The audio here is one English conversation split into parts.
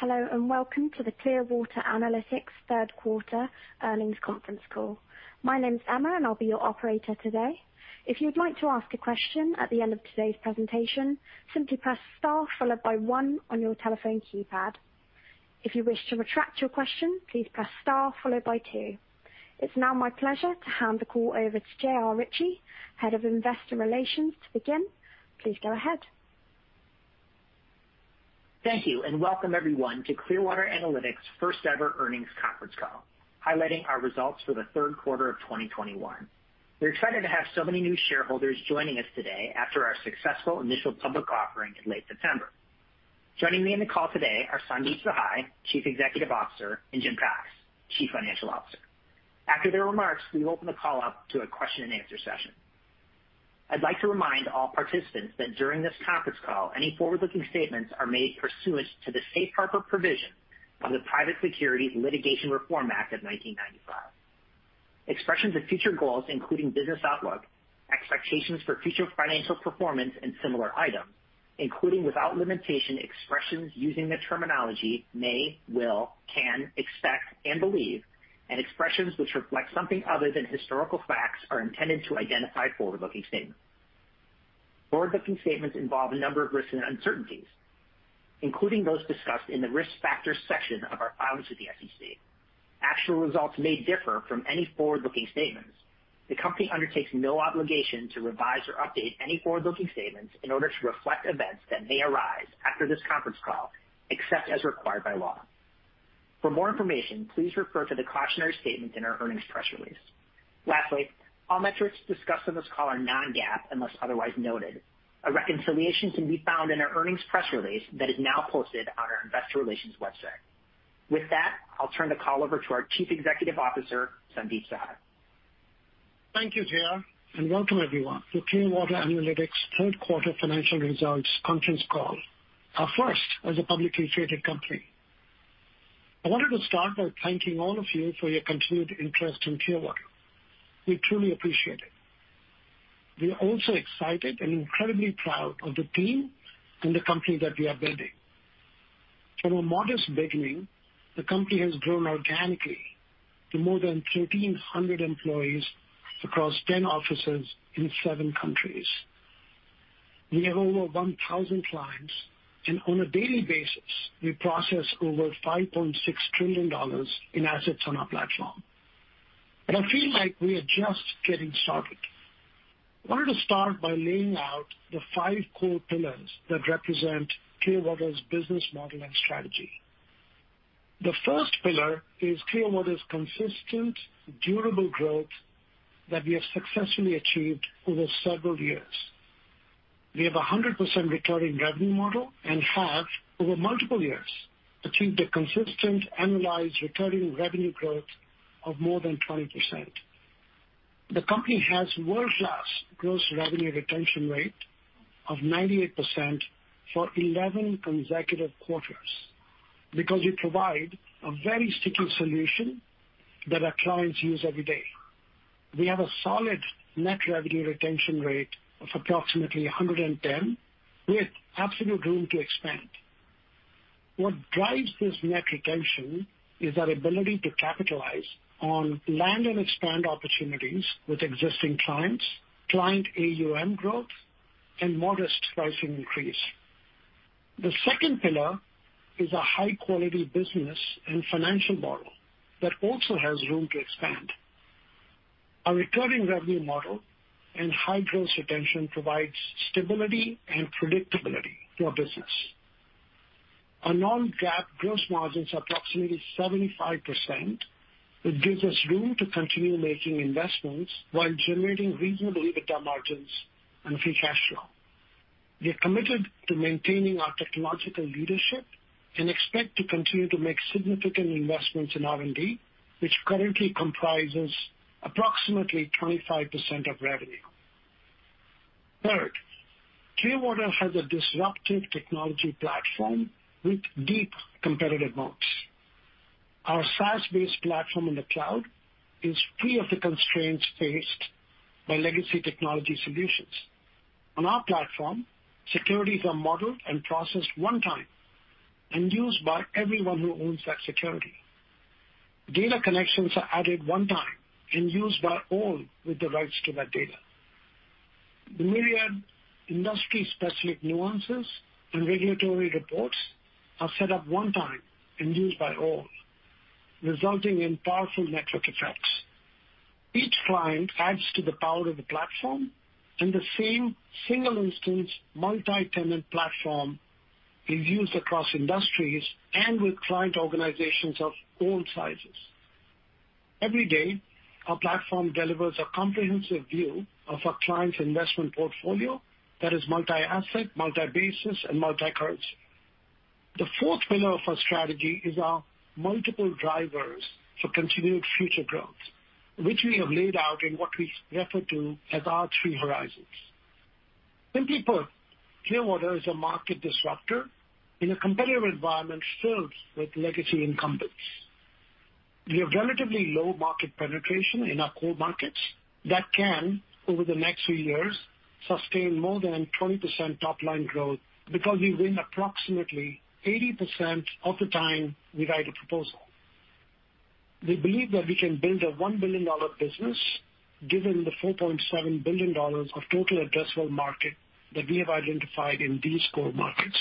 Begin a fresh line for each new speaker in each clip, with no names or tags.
Hello, and welcome to the Clearwater Analytics third quarter earnings conference call. My name is Emma, and I'll be your operator today. If you'd like to ask a question at the end of today's presentation, simply press star followed by one on your telephone keypad. If you wish to retract your question, please press star followed by two. It's now my pleasure to hand the call over to J.R. Ritchie, Head of Investor Relations. To begin, please go ahead.
Thank you, and welcome everyone to Clearwater Analytics' first-ever earnings conference call, highlighting our results for the third quarter of 2021. We're excited to have so many new shareholders joining us today after our successful initial public offering in late September. Joining me in the call today are Sandeep Sahai, Chief Executive Officer, and Jim Cox, Chief Financial Officer. After their remarks, we will open the call up to a question-and-answer session. I'd like to remind all participants that during this conference call, any forward-looking statements are made pursuant to the safe harbor provision of the Private Securities Litigation Reform Act of 1995. Expressions of future goals, including business outlook, expectations for future financial performance, and similar items, including, without limitation, expressions using the terminology may, will, can, expect and believe, and expressions which reflect something other than historical facts are intended to identify forward-looking statements. Forward-looking statements involve a number of risks and uncertainties, including those discussed in the Risk Factors section of our filings to the SEC. Actual results may differ from any forward-looking statements. The company undertakes no obligation to revise or update any forward-looking statements in order to reflect events that may arise after this conference call, except as required by law. For more information, please refer to the cautionary statement in our earnings press release. Lastly, all metrics discussed on this call are non-GAAP, unless otherwise noted. A reconciliation can be found in our earnings press release that is now posted on our investor relations website. With that, I'll turn the call over to our Chief Executive Officer, Sandeep Sahai.
Thank you, J.R., and welcome everyone to Clearwater Analytics' third quarter financial results conference call, our first as a publicly traded company. I wanted to start by thanking all of you for your continued interest in Clearwater. We truly appreciate it. We are also excited and incredibly proud of the team and the company that we are building. From a modest beginning, the company has grown organically to more than 1,300 employees across 10 offices in 7 countries. We have over 1,000 clients, and on a daily basis, we process over $5.6 trillion in assets on our platform. I feel like we are just getting started. I wanted to start by laying out the five core pillars that represent Clearwater's business model and strategy. The first pillar is Clearwater's consistent, durable growth that we have successfully achieved over several years. We have a 100% recurring revenue model and have, over multiple years, achieved a consistent annualized recurring revenue growth of more than 20%. The company has world-class gross revenue retention rate of 98% for 11 consecutive quarters because we provide a very sticky solution that our clients use every day. We have a solid net revenue retention rate of approximately 110%, with absolute room to expand. What drives this net retention is our ability to capitalize on land and expand opportunities with existing clients, client AUM growth, and modest pricing increase. The second pillar is a high-quality business and financial model that also has room to expand. Our recurring revenue model and high gross retention provides stability and predictability to our business. Our non-GAAP gross margins are approximately 75%, which gives us room to continue making investments while generating reasonable EBITDA margins and free cash flow. We are committed to maintaining our technological leadership and expect to continue to make significant investments in R&D, which currently comprises approximately 25% of revenue. Third, Clearwater has a disruptive technology platform with deep competitive moats. Our SaaS-based platform in the cloud is free of the constraints faced by legacy technology solutions. On our platform, securities are modeled and processed one time and used by everyone who owns that security. Data connections are added one time and used by all with the rights to that data. The myriad industry-specific nuances and regulatory reports are set up one time and used by all, resulting in powerful network effects. Each client adds to the power of the platform, and the same single instance multi-tenant platform is used across industries and with client organizations of all sizes. Every day, our platform delivers a comprehensive view of a client's investment portfolio that is multi-asset, multi-basis, and multi-currency. The fourth pillar of our strategy is our multiple drivers for continued future growth, which we have laid out in what we refer to as our three horizons. Simply put, Clearwater is a market disruptor in a competitive environment filled with legacy incumbents. We have relatively low market penetration in our core markets that can, over the next few years, sustain more than 20% top-line growth because we win approximately 80% of the time we write a proposal. We believe that we can build a $1 billion business given the $4.7 billion of total addressable market that we have identified in these core markets.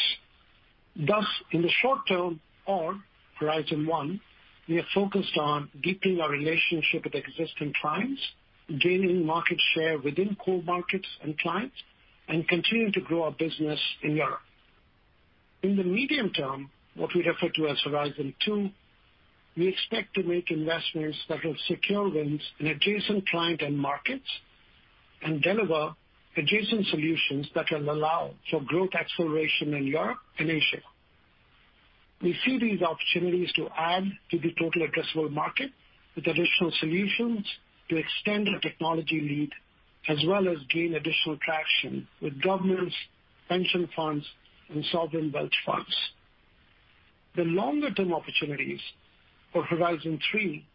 Thus, in the short term or Horizon One, we are focused on deepening our relationship with existing clients, gaining market share within core markets and clients, and continuing to grow our business in Europe. In the medium term, what we refer to as Horizon 2, we expect to make investments that will secure wins in adjacent client end markets and deliver adjacent solutions that will allow for growth acceleration in Europe and Asia. We see these opportunities to add to the total addressable market with additional solutions to extend our technology lead, as well as gain additional traction with governments, pension funds, and sovereign wealth funds. The longer-term opportunities for Horizon 3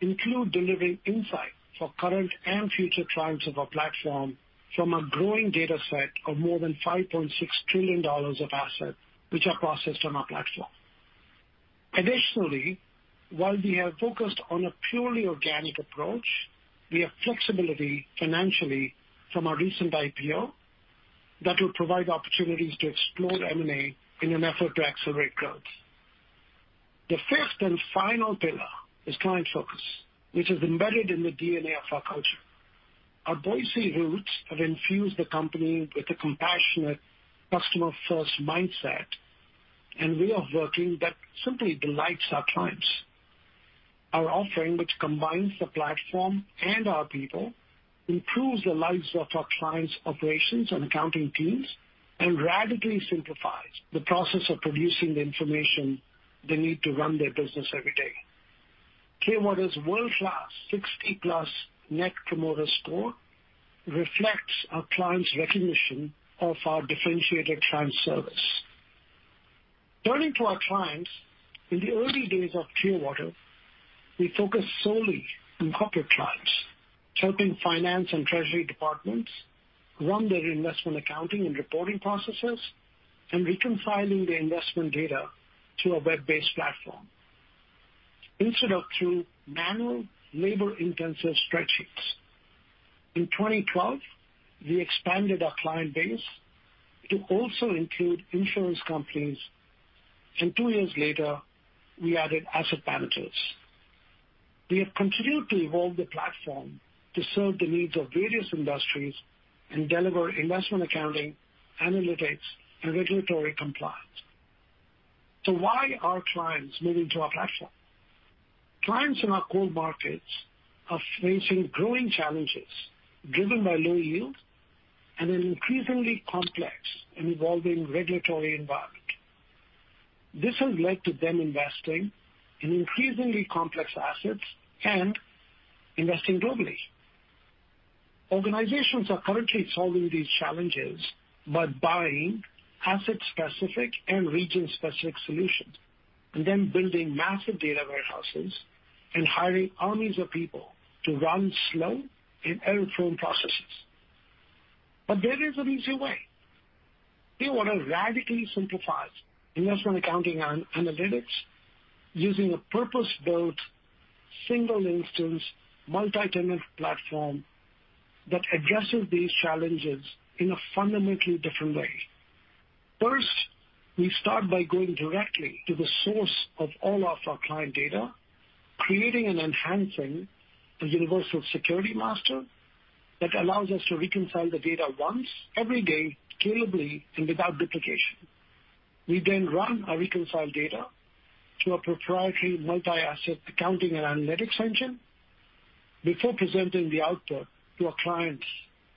include delivering insight for current and future clients of our platform from a growing data set of more than $5.6 trillion of assets which are processed on our platform. Additionally, while we have focused on a purely organic approach, we have flexibility financially from our recent IPO that will provide opportunities to explore M&A in an effort to accelerate growth. The fifth and final pillar is client focus, which is embedded in the DNA of our culture. Our Boise roots have infused the company with a compassionate customer-first mindset, and we are working to simply delight our clients. Our offering, which combines the platform and our people, improves the lives of our clients' operations and accounting teams, and radically simplifies the process of producing the information they need to run their business every day. Clearwater's world-class 60+ Net Promoter Score reflects our clients' recognition of our differentiated client service. Turning to our clients, in the early days of Clearwater, we focused solely on corporate clients, helping finance and treasury departments run their investment accounting and reporting processes, and reconciling the investment data to a web-based platform instead of through manual labor-intensive spreadsheets. In 2012, we expanded our client base to also include insurance companies, and two years later, we added asset managers. We have continued to evolve the platform to serve the needs of various industries and deliver investment accounting, analytics, and regulatory compliance. Why are clients moving to our platform? Clients in our core markets are facing growing challenges driven by low yields and an increasingly complex and evolving regulatory environment. This has led to them investing in increasingly complex assets and investing globally. Organizations are currently solving these challenges by buying asset-specific and region-specific solutions, and then building massive data warehouses and hiring armies of people to run slow and error-prone processes. There is an easier way. We want to radically simplify investment accounting and analytics using a purpose-built, single instance, multi-tenant platform that addresses these challenges in a fundamentally different way. First, we start by going directly to the source of all of our client data, creating and enhancing a universal security master that allows us to reconcile the data once every day scalably and without duplication. We then run our reconciled data through a proprietary multi-asset accounting and analytics engine before presenting the output to our clients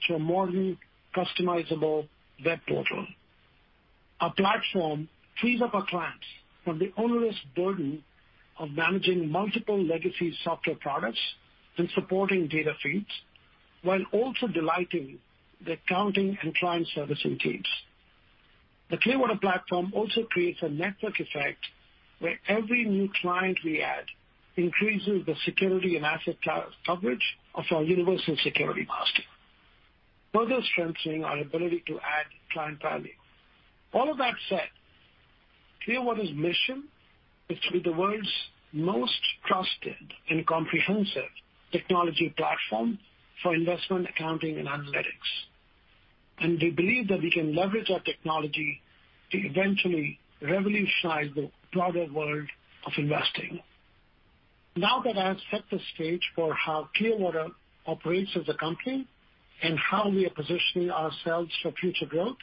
through a modern, customizable web portal. Our platform frees up our clients from the onerous burden of managing multiple legacy software products and supporting data feeds, while also delighting the accounting and client servicing teams. The Clearwater platform also creates a network effect where every new client we add increases the security and asset co-coverage of our universal security master, further strengthening our ability to add client value. All of that said, Clearwater's mission is to be the world's most trusted and comprehensive technology platform for investment accounting and analytics. We believe that we can leverage our technology to eventually revolutionize the broader world of investing. Now that I have set the stage for how Clearwater operates as a company and how we are positioning ourselves for future growth,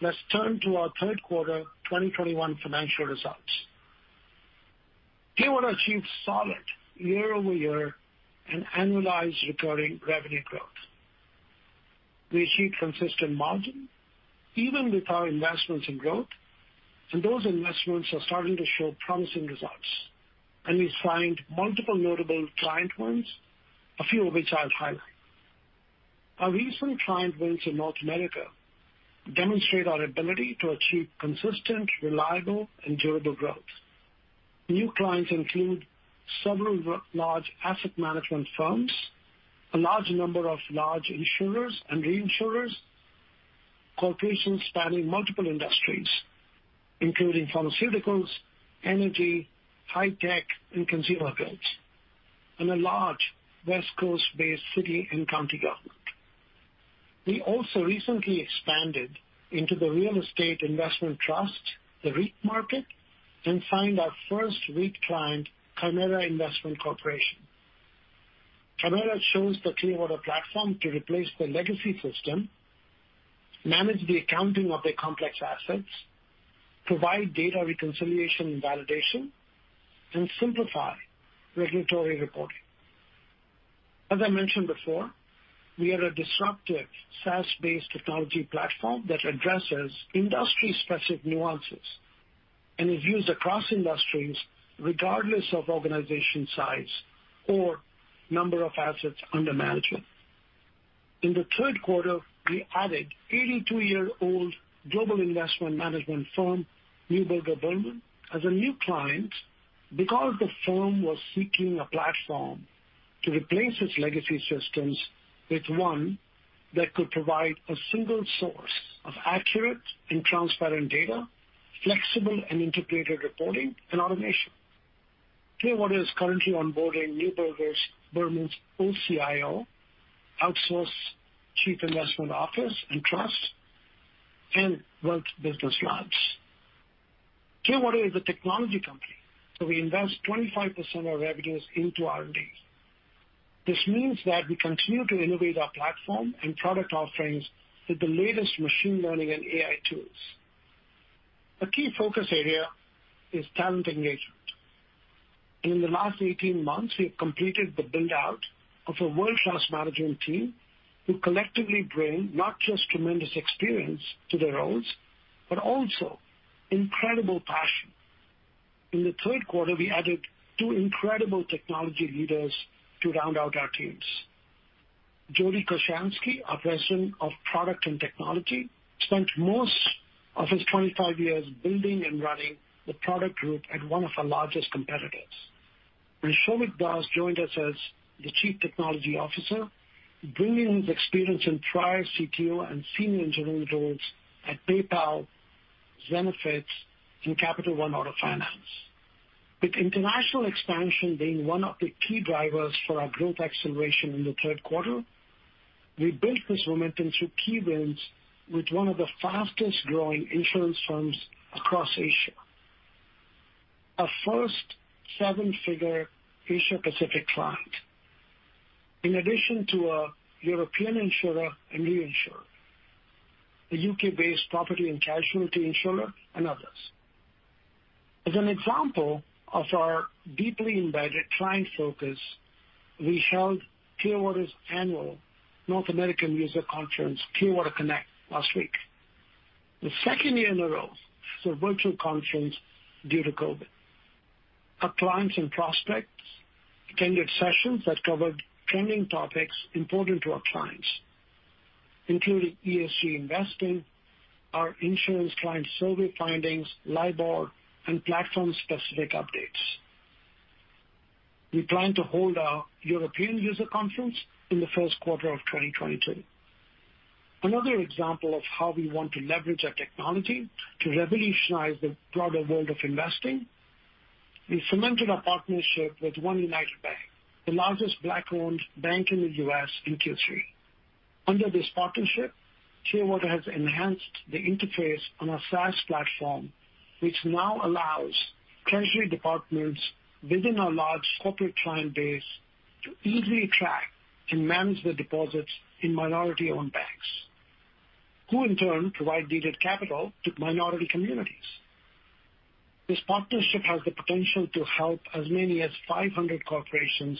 let's turn to our third quarter 2021 financial results. Clearwater achieved solid year-over-year and annualized recurring revenue growth. We achieved consistent margin even with our investments in growth, and those investments are starting to show promising results. We signed multiple notable client wins, a few of which I'll highlight. Our recent client wins in North America demonstrate our ability to achieve consistent, reliable, and durable growth. New clients include several large asset management firms, a large number of large insurers and reinsurers, corporations spanning multiple industries, including pharmaceuticals, energy, high tech, and consumer goods, and a large West Coast-based city and county government. We also recently expanded into the real estate investment trust, the REIT market, and signed our first REIT client, Permira Investment Corporation. Permira chose the Clearwater platform to replace the legacy system, manage the accounting of their complex assets, provide data reconciliation and validation, and simplify regulatory reporting. As I mentioned before, we are a disruptive SaaS-based technology platform that addresses industry-specific nuances and is used across industries regardless of organization size or number of assets under management. In the third quarter, we added 82-year-old global investment management firm, Neuberger Berman, as a new client because the firm was seeking a platform to replace its legacy systems with one that could provide a single source of accurate and transparent data, flexible and integrated reporting and automation. Clearwater is currently onboarding Neuberger Berman's OCIO, outsourced chief investment office and trust, and wealth business lines. Clearwater is a technology company, so we invest 25% of our revenues into R&D. This means that we continue to innovate our platform and product offerings with the latest machine learning and AI tools. A key focus area is talent engagement. In the last 18 months, we have completed the build-out of a world-class management team who collectively bring not just tremendous experience to their roles, but also incredible passion. In the third quarter, we added two incredible technology leaders to round out our teams. Jody Kochansky, our President of Product and Technology, spent most of his 25 years building and running the product group at one of our largest competitors. Souvik Das joined us as the Chief Technology Officer, bringing his experience in prior CTO and senior engineering roles at PayPal, Zenefits, and Capital One Auto Finance. With international expansion being one of the key drivers for our growth acceleration in the third quarter, we built this momentum through key wins with one of the fastest-growing insurance firms across Asia. Our first seven-figure Asia Pacific client, in addition to a European insurer and reinsurer, a U.K.-based property and casualty insurer, and others. As an example of our deeply embedded client focus, we held Clearwater's annual North American user conference, Clearwater Connect, last week. The second year in a row it's a virtual conference due to COVID. Our clients and prospects attended sessions that covered trending topics important to our clients, including ESG investing, our insurance client survey findings, LIBOR, and platform-specific updates. We plan to hold our European user conference in the first quarter of 2022. Another example of how we want to leverage our technology to revolutionize the broader world of investing, we cemented our partnership with OneUnited Bank, the largest Black-owned bank in the U.S., in Q3. Under this partnership, Clearwater has enhanced the interface on our SaaS platform, which now allows treasury departments within our large corporate client base to easily track and manage their deposits in minority-owned banks, who in turn provide needed capital to minority communities. This partnership has the potential to help as many as 500 corporations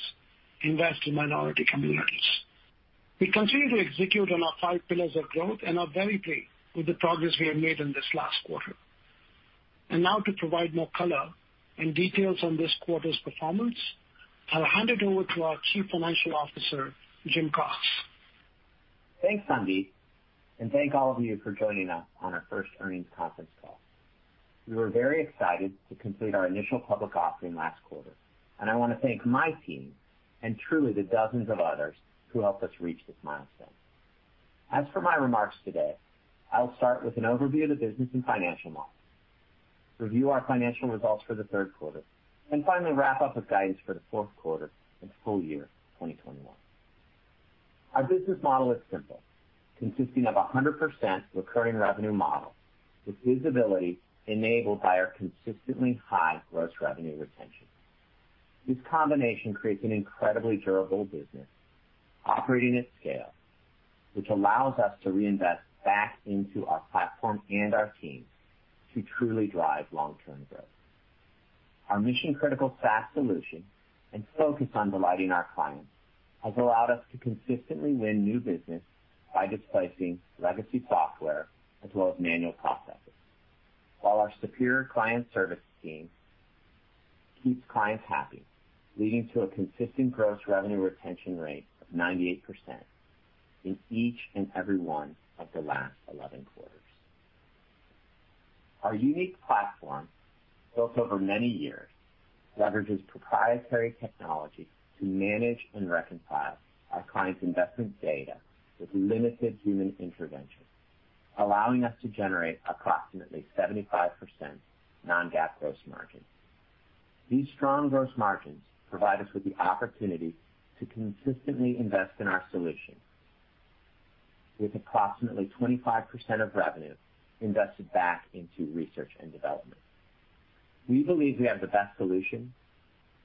invest in minority communities. We continue to execute on our 5 pillars of growth and are very pleased with the progress we have made in this last quarter. Now to provide more color and details on this quarter's performance, I'll hand it over to our Chief Financial Officer, Jim Cox.
Thanks, Sandeep, and thank all of you for joining us on our first earnings conference call. We were very excited to complete our initial public offering last quarter, and I wanna thank my team and truly the dozens of others who helped us reach this milestone. As for my remarks today, I'll start with an overview of the business and financial model, review our financial results for the third quarter, and finally wrap up with guidance for the fourth quarter and full year 2021. Our business model is simple, consisting of a 100% recurring revenue model with visibility enabled by our consistently high gross revenue retention. This combination creates an incredibly durable business operating at scale, which allows us to reinvest back into our platform and our team to truly drive long-term growth. Our mission-critical SaaS solution and focus on delighting our clients has allowed us to consistently win new business by displacing legacy software as well as manual processes. While our superior client service team keeps clients happy, leading to a consistent gross revenue retention rate of 98% in each and every one of the last 11 quarters. Our unique platform, built over many years, leverages proprietary technology to manage and reconcile our clients' investment data with limited human intervention, allowing us to generate approximately 75% non-GAAP gross margin. These strong gross margins provide us with the opportunity to consistently invest in our solution, with approximately 25% of revenue invested back into research and development. We believe we have the best solution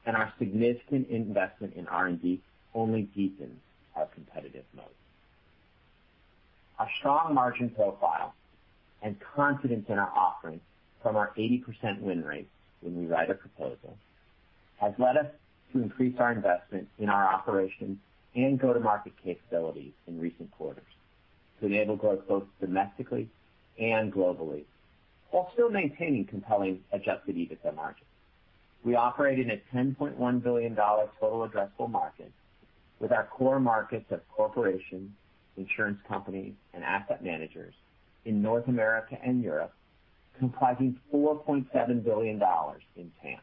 and our significant investment in R&D only deepens our competitive mode. Our strong margin profile and confidence in our offerings from our 80% win rate when we write a proposal, has led us to increase our investment in our operations and go-to-market capabilities in recent quarters to enable growth both domestically and globally, while still maintaining compelling adjusted EBITDA margins. We operate in a $10.1 billion total addressable market with our core markets of corporations, insurance companies, and asset managers in North America and Europe comprising $4.7 billion in TAM.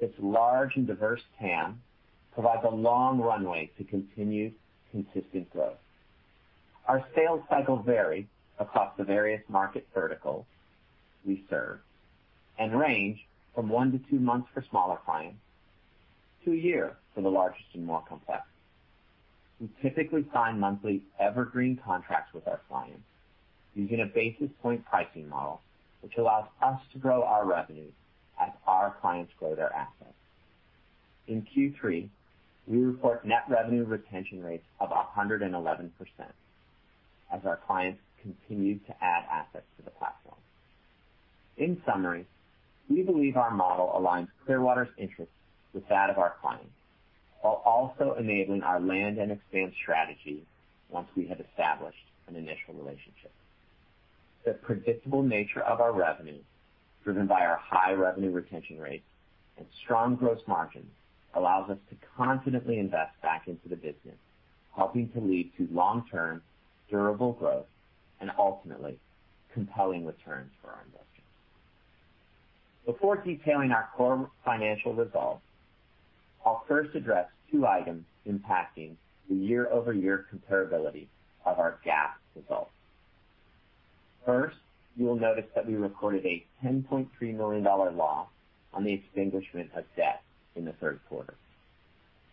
Its large and diverse TAM provides a long runway to continued consistent growth. Our sales cycles vary across the various market verticals we serve and range from 1-2 months for smaller clients to 1 year for the largest and more complex. We typically sign monthly evergreen contracts with our clients using a basis point pricing model, which allows us to grow our revenue as our clients grow their assets. In Q3, we report net revenue retention rates of 111% as our clients continued to add assets to the platform. In summary, we believe our model aligns Clearwater's interests with that of our clients, while also enabling our land and expand strategy once we have established an initial relationship. The predictable nature of our revenue, driven by our high revenue retention rates and strong gross margins, allows us to confidently invest back into the business, helping to lead to long-term durable growth and ultimately compelling returns for our investors. Before detailing our core financial results, I'll first address two items impacting the year-over-year comparability of our GAAP results. First, you'll notice that we recorded a $10.3 million loss on the extinguishment of debt in the third quarter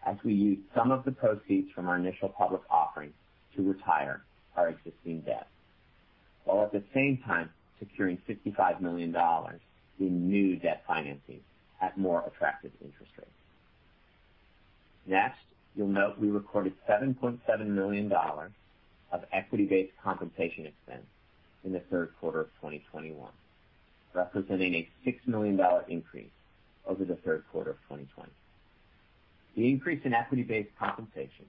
as we used some of the proceeds from our initial public offering to retire our existing debt, while at the same time securing $55 million in new debt financing at more attractive interest rates. Next, you'll note we recorded $7.7 million of equity-based compensation expense in the third quarter of 2021, representing a $6 million increase over the third quarter of 2020. The increase in equity-based compensation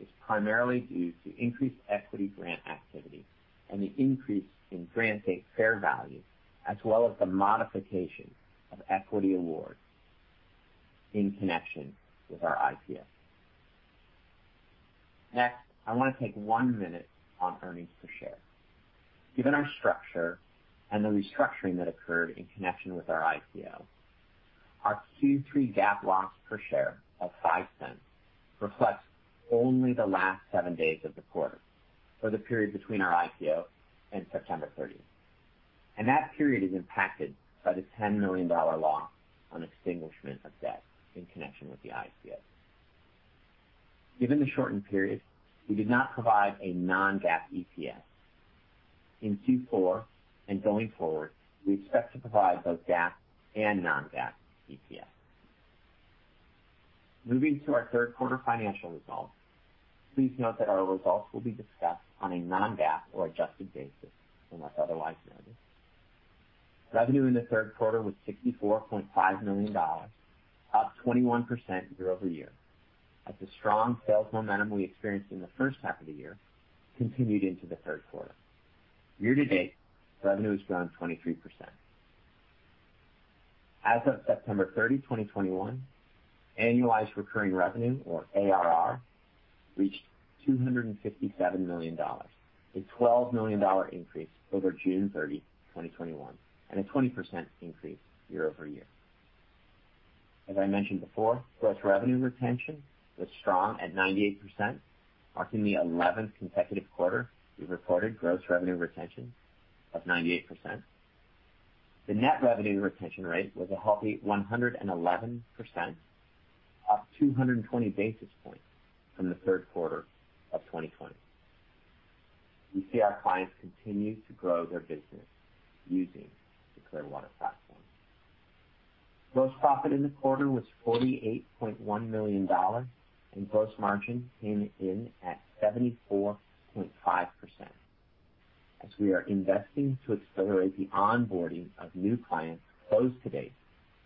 is primarily due to increased equity grant activity and the increase in grant date fair value, as well as the modification of equity awards in connection with our IPO. Next, I want to take one minute on earnings per share. Given our structure and the restructuring that occurred in connection with our IPO, our Q3 GAAP loss per share of $0.05 reflects only the last seven days of the quarter for the period between our IPO and September 30. That period is impacted by the $10 million loss on extinguishment of debt in connection with the IPO. Given the shortened period, we did not provide a non-GAAP EPS. In Q4 and going forward, we expect to provide both GAAP and non-GAAP EPS. Moving to our third quarter financial results, please note that our results will be discussed on a non-GAAP or adjusted basis unless otherwise noted. Revenue in the third quarter was $64.5 million, up 21% year-over-year as the strong sales momentum we experienced in the first half of the year continued into the third quarter. Year to date, revenue has grown 23%. As of September 30, 2021, annualized recurring revenue or ARR reached $257 million, a $12 million increase over June 30, 2021, and a 20% increase year-over-year. As I mentioned before, gross revenue retention was strong at 98%, marking the 11th consecutive quarter we've reported gross revenue retention of 98%. The net revenue retention rate was a healthy 111%, up 220 basis points from the third quarter of 2020. We see our clients continue to grow their business using the Clearwater platform. Gross profit in the quarter was $48.1 million and gross margin came in at 74.5% as we are investing to accelerate the onboarding of new clients closed to date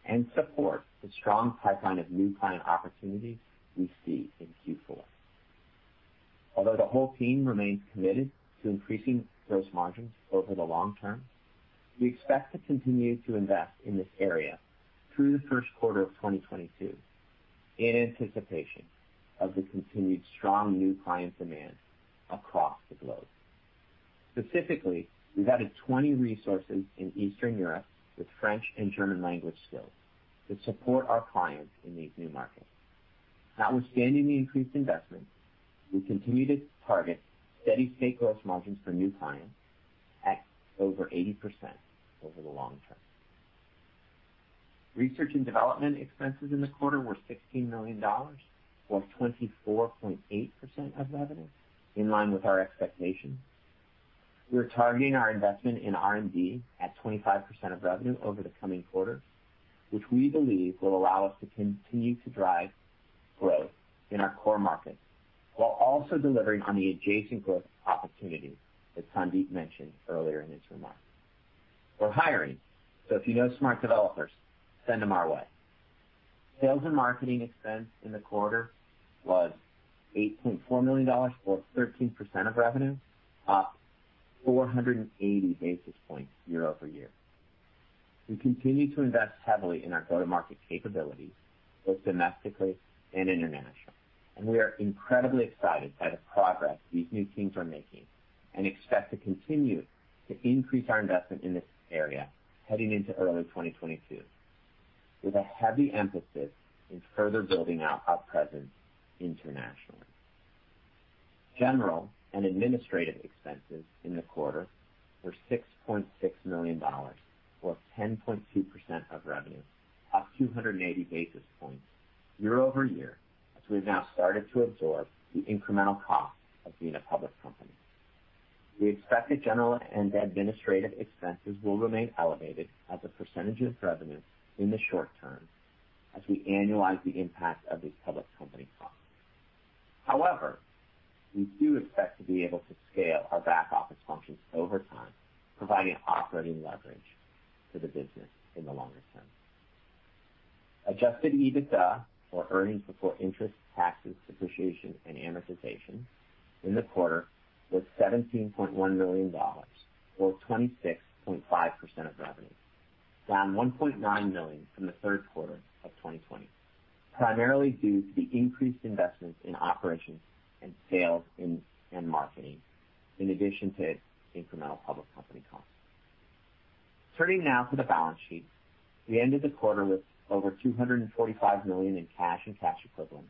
and support the strong pipeline of new client opportunities we see in Q4. Although the whole team remains committed to increasing gross margins over the long term, we expect to continue to invest in this area through the first quarter of 2022 in anticipation of the continued strong new client demand across the globe. Specifically, we've added 20 resources in Eastern Europe with French and German language skills to support our clients in these new markets. Notwithstanding the increased investment, we continue to target steady-state gross margins for new clients at over 80% over the long term. Research and development expenses in the quarter were $16 million or 24.8% of revenue, in line with our expectations. We're targeting our investment in R&D at 25% of revenue over the coming quarters, which we believe will allow us to continue to drive growth in our core markets while also delivering on the adjacent growth opportunities that Sandeep mentioned earlier in his remarks. We're hiring, so if you know smart developers, send them our way. Sales and marketing expense in the quarter was $8.4 million or 13% of revenue, up 480 basis points year-over-year. We continue to invest heavily in our go-to-market capabilities, both domestically and internationally, and we are incredibly excited by the progress these new teams are making and expect to continue to increase our investment in this area heading into early 2022, with a heavy emphasis in further building out our presence internationally. General and administrative expenses in the quarter were $6.6 million or 10.2% of revenue, up 280 basis points year-over-year, as we have now started to absorb the incremental cost of being a public company. We expect the general and administrative expenses will remain elevated as a percentage of revenue in the short term as we annualize the impact of these public company costs. However, we do expect to be able to scale our back-office functions over time, providing operating leverage to the business in the longer term. Adjusted EBITDA, or earnings before interest, taxes, depreciation, and amortization, in the quarter was $17.1 million or 26.5% of revenue, down $1.9 million from the third quarter of 2020, primarily due to the increased investments in operations and sales and marketing, in addition to incremental public company costs. Turning now to the balance sheet. We ended the quarter with over $245 million in cash and cash equivalents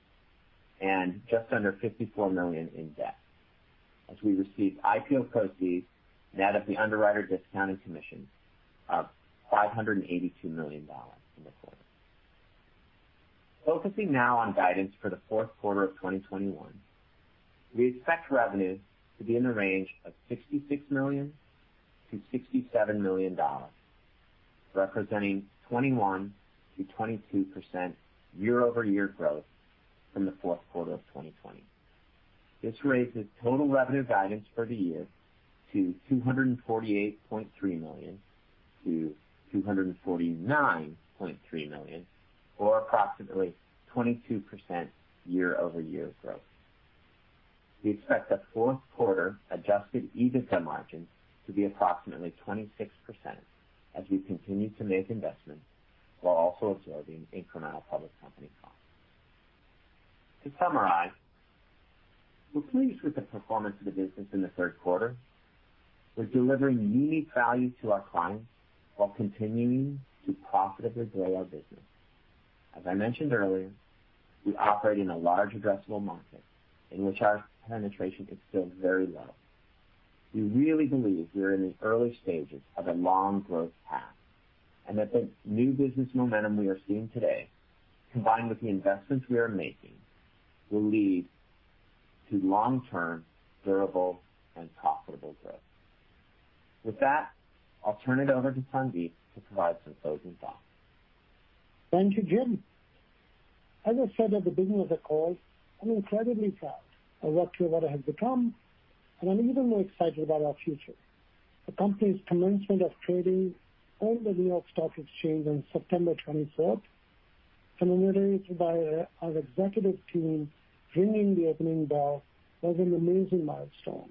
and just under $54 million in debt as we received IPO proceeds net of the underwriter discount and commission of $582 million in the quarter. Focusing now on guidance for the fourth quarter of 2021. We expect revenues to be in the range of $66 million-$67 million, representing 21%-22% year-over-year growth from the fourth quarter of 2020. This raises total revenue guidance for the year to $248.3 million-$249.3 million, or approximately 22% year-over-year growth. We expect the fourth quarter adjusted EBITDA margins to be approximately 26% as we continue to make investments while also absorbing incremental public company costs. To summarize, we're pleased with the performance of the business in the third quarter. We're delivering unique value to our clients while continuing to profitably grow our business. As I mentioned earlier, we operate in a large addressable market in which our penetration is still very low. We really believe we are in the early stages of a long growth path and that the new business momentum we are seeing today, combined with the investments we are making, will lead to long-term, durable, and profitable growth. With that, I'll turn it over to Sandeep to provide some closing thoughts.
Thank you, Jim. As I said at the beginning of the call, I'm incredibly proud of what Clearwater has become, and I'm even more excited about our future. The company's commencement of trading on the New York Stock Exchange on September 24, commemorated by our executive team ringing the opening bell, was an amazing milestone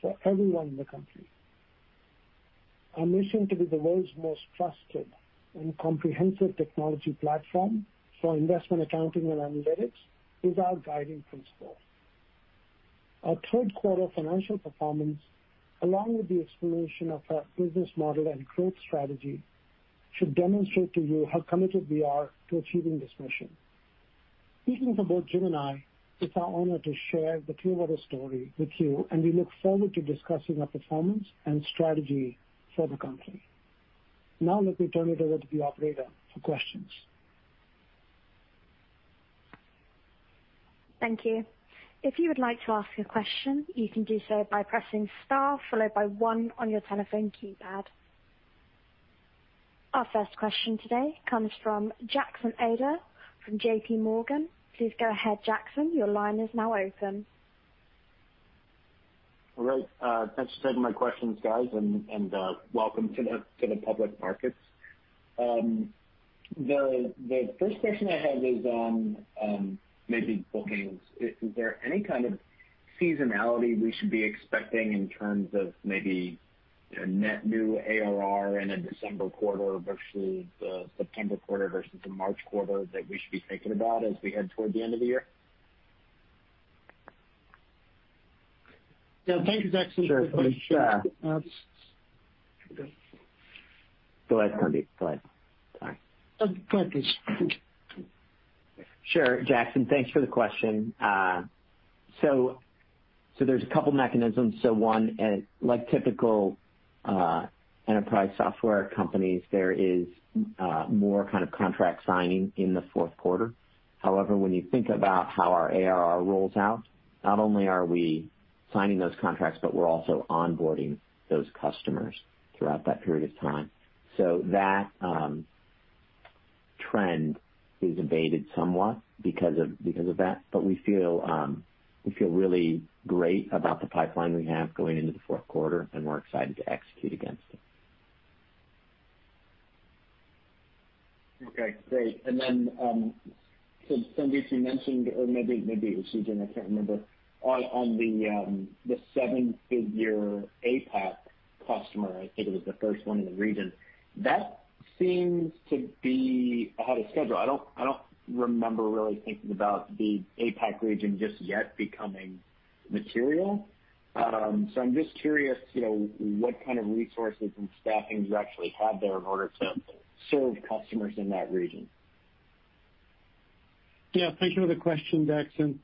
for everyone in the company. Our mission to be the world's most trusted and comprehensive technology platform for investment accounting and analytics is our guiding principle. Our third quarter financial performance, along with the explanation of our business model and growth strategy, should demonstrate to you how committed we are to achieving this mission. Speaking for both Jim and I, it's our honor to share the Clearwater story with you, and we look forward to discussing our performance and strategy for the company. Now, let me turn it over to the operator for questions.
Thank you. If you would like to ask a question, you can do so by pressing star followed by one on your telephone keypad. Our first question today comes from Jackson Ader from JPMorgan. Please go ahead, Jackson. Your line is now open.
All right. That's seven of my questions, guys, and welcome to the public markets. The first question I had was on maybe bookings. Is there any kind of seasonality we should be expecting in terms of maybe net new ARR in a December quarter versus the September quarter versus the March quarter that we should be thinking about as we head toward the end of the year?
Yeah. Thank you, Jackson.
Sure.
Uh-
Go ahead, Sandeep. Go ahead. Sorry.
Oh, go ahead, please.
Sure. Jackson, thanks for the question. There's a couple mechanisms. One, like typical enterprise software companies, there is more kind of contract signing in the fourth quarter. However, when you think about how our ARR rolls out, not only are we signing those contracts, but we're also onboarding those customers throughout that period of time. That trend is abated somewhat because of that. We feel really great about the pipeline we have going into the fourth quarter, and we're excited to execute against it.
Okay, great. Sandeep, you mentioned, or maybe it was you, Jim, I can't remember. On the seven-figure APAC customer, I think it was the first one in the region. That seems to be ahead of schedule. I don't remember really thinking about the APAC region just yet becoming material. I'm just curious, you know, what kind of resources and staffing you actually have there in order to serve customers in that region.
Yeah. Thank you for the question, Jackson.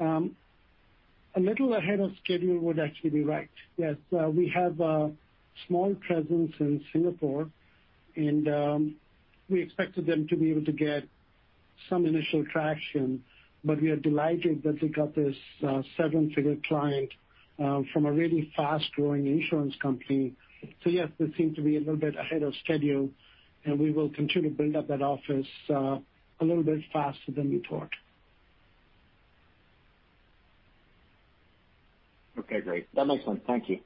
A little ahead of schedule would actually be right. Yes. We have a small presence in Singapore, and we expected them to be able to get some initial traction, but we are delighted that they got this seven-figure client from a really fast-growing insurance company. Yes, this seemed to be a little bit ahead of schedule, and we will continue to build up that office a little bit faster than we thought.
Okay, great. That makes sense. Thank you.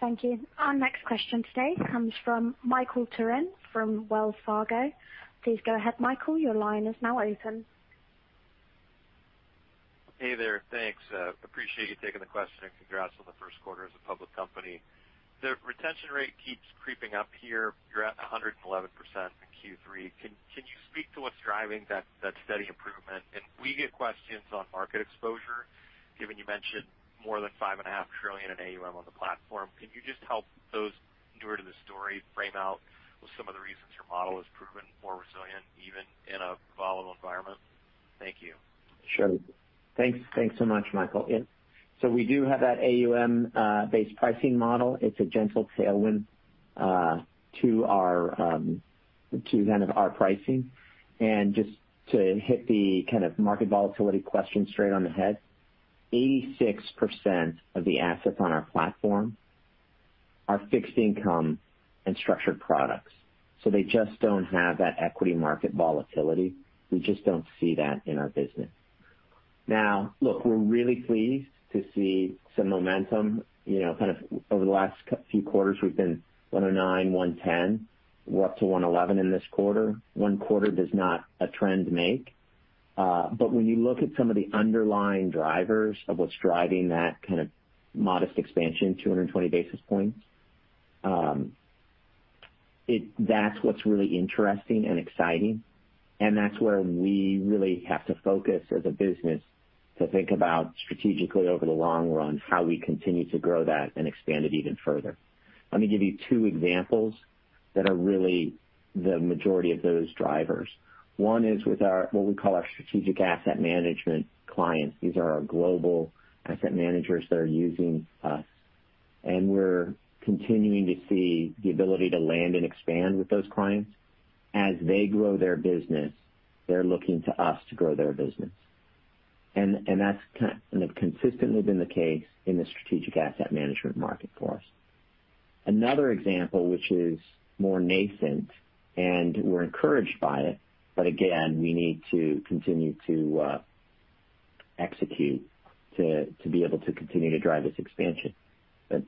Thank you. Our next question today comes from Michael Turrin from Wells Fargo. Please go ahead, Michael. Your line is now open.
Hey there. Thanks. Appreciate you taking the question, and congrats on the first quarter as a public company. The retention rate keeps creeping up here. You're at 111% in Q3. Can you speak to what's driving that steady improvement? We get questions on market exposure, given you mentioned more than $5.5 trillion in AUM on the platform. Can you just help those newer to the story frame out with some of the reasons your model has proven more resilient even in a volatile environment? Thank you.
Sure. Thanks so much, Michael. Yeah. We do have that AUM based pricing model. It's a gentle tailwind to our to kind of our pricing. Just to hit the kind of market volatility question straight on the head, 86% of the assets on our platform are fixed income and structured products, so they just don't have that equity market volatility. We just don't see that in our business. Now, look, we're really pleased to see some momentum. You know, kind of over the last few quarters, we've been 109%, 110%. We're up to 111% in this quarter. One quarter does not a trend make. When you look at some of the underlying drivers of what's driving that kind of modest expansion, 220 basis points, that's what's really interesting and exciting, and that's where we really have to focus as a business to think about strategically over the long run, how we continue to grow that and expand it even further. Let me give you two examples that are really the majority of those drivers. One is with our, what we call our strategic asset management clients. These are our global asset managers that are using us, and we're continuing to see the ability to land and expand with those clients. As they grow their business, they're looking to us to grow their business. That's consistently been the case in the strategic asset management market for us. Another example, which is more nascent, and we're encouraged by it, but again, we need to continue to execute to be able to continue to drive this expansion.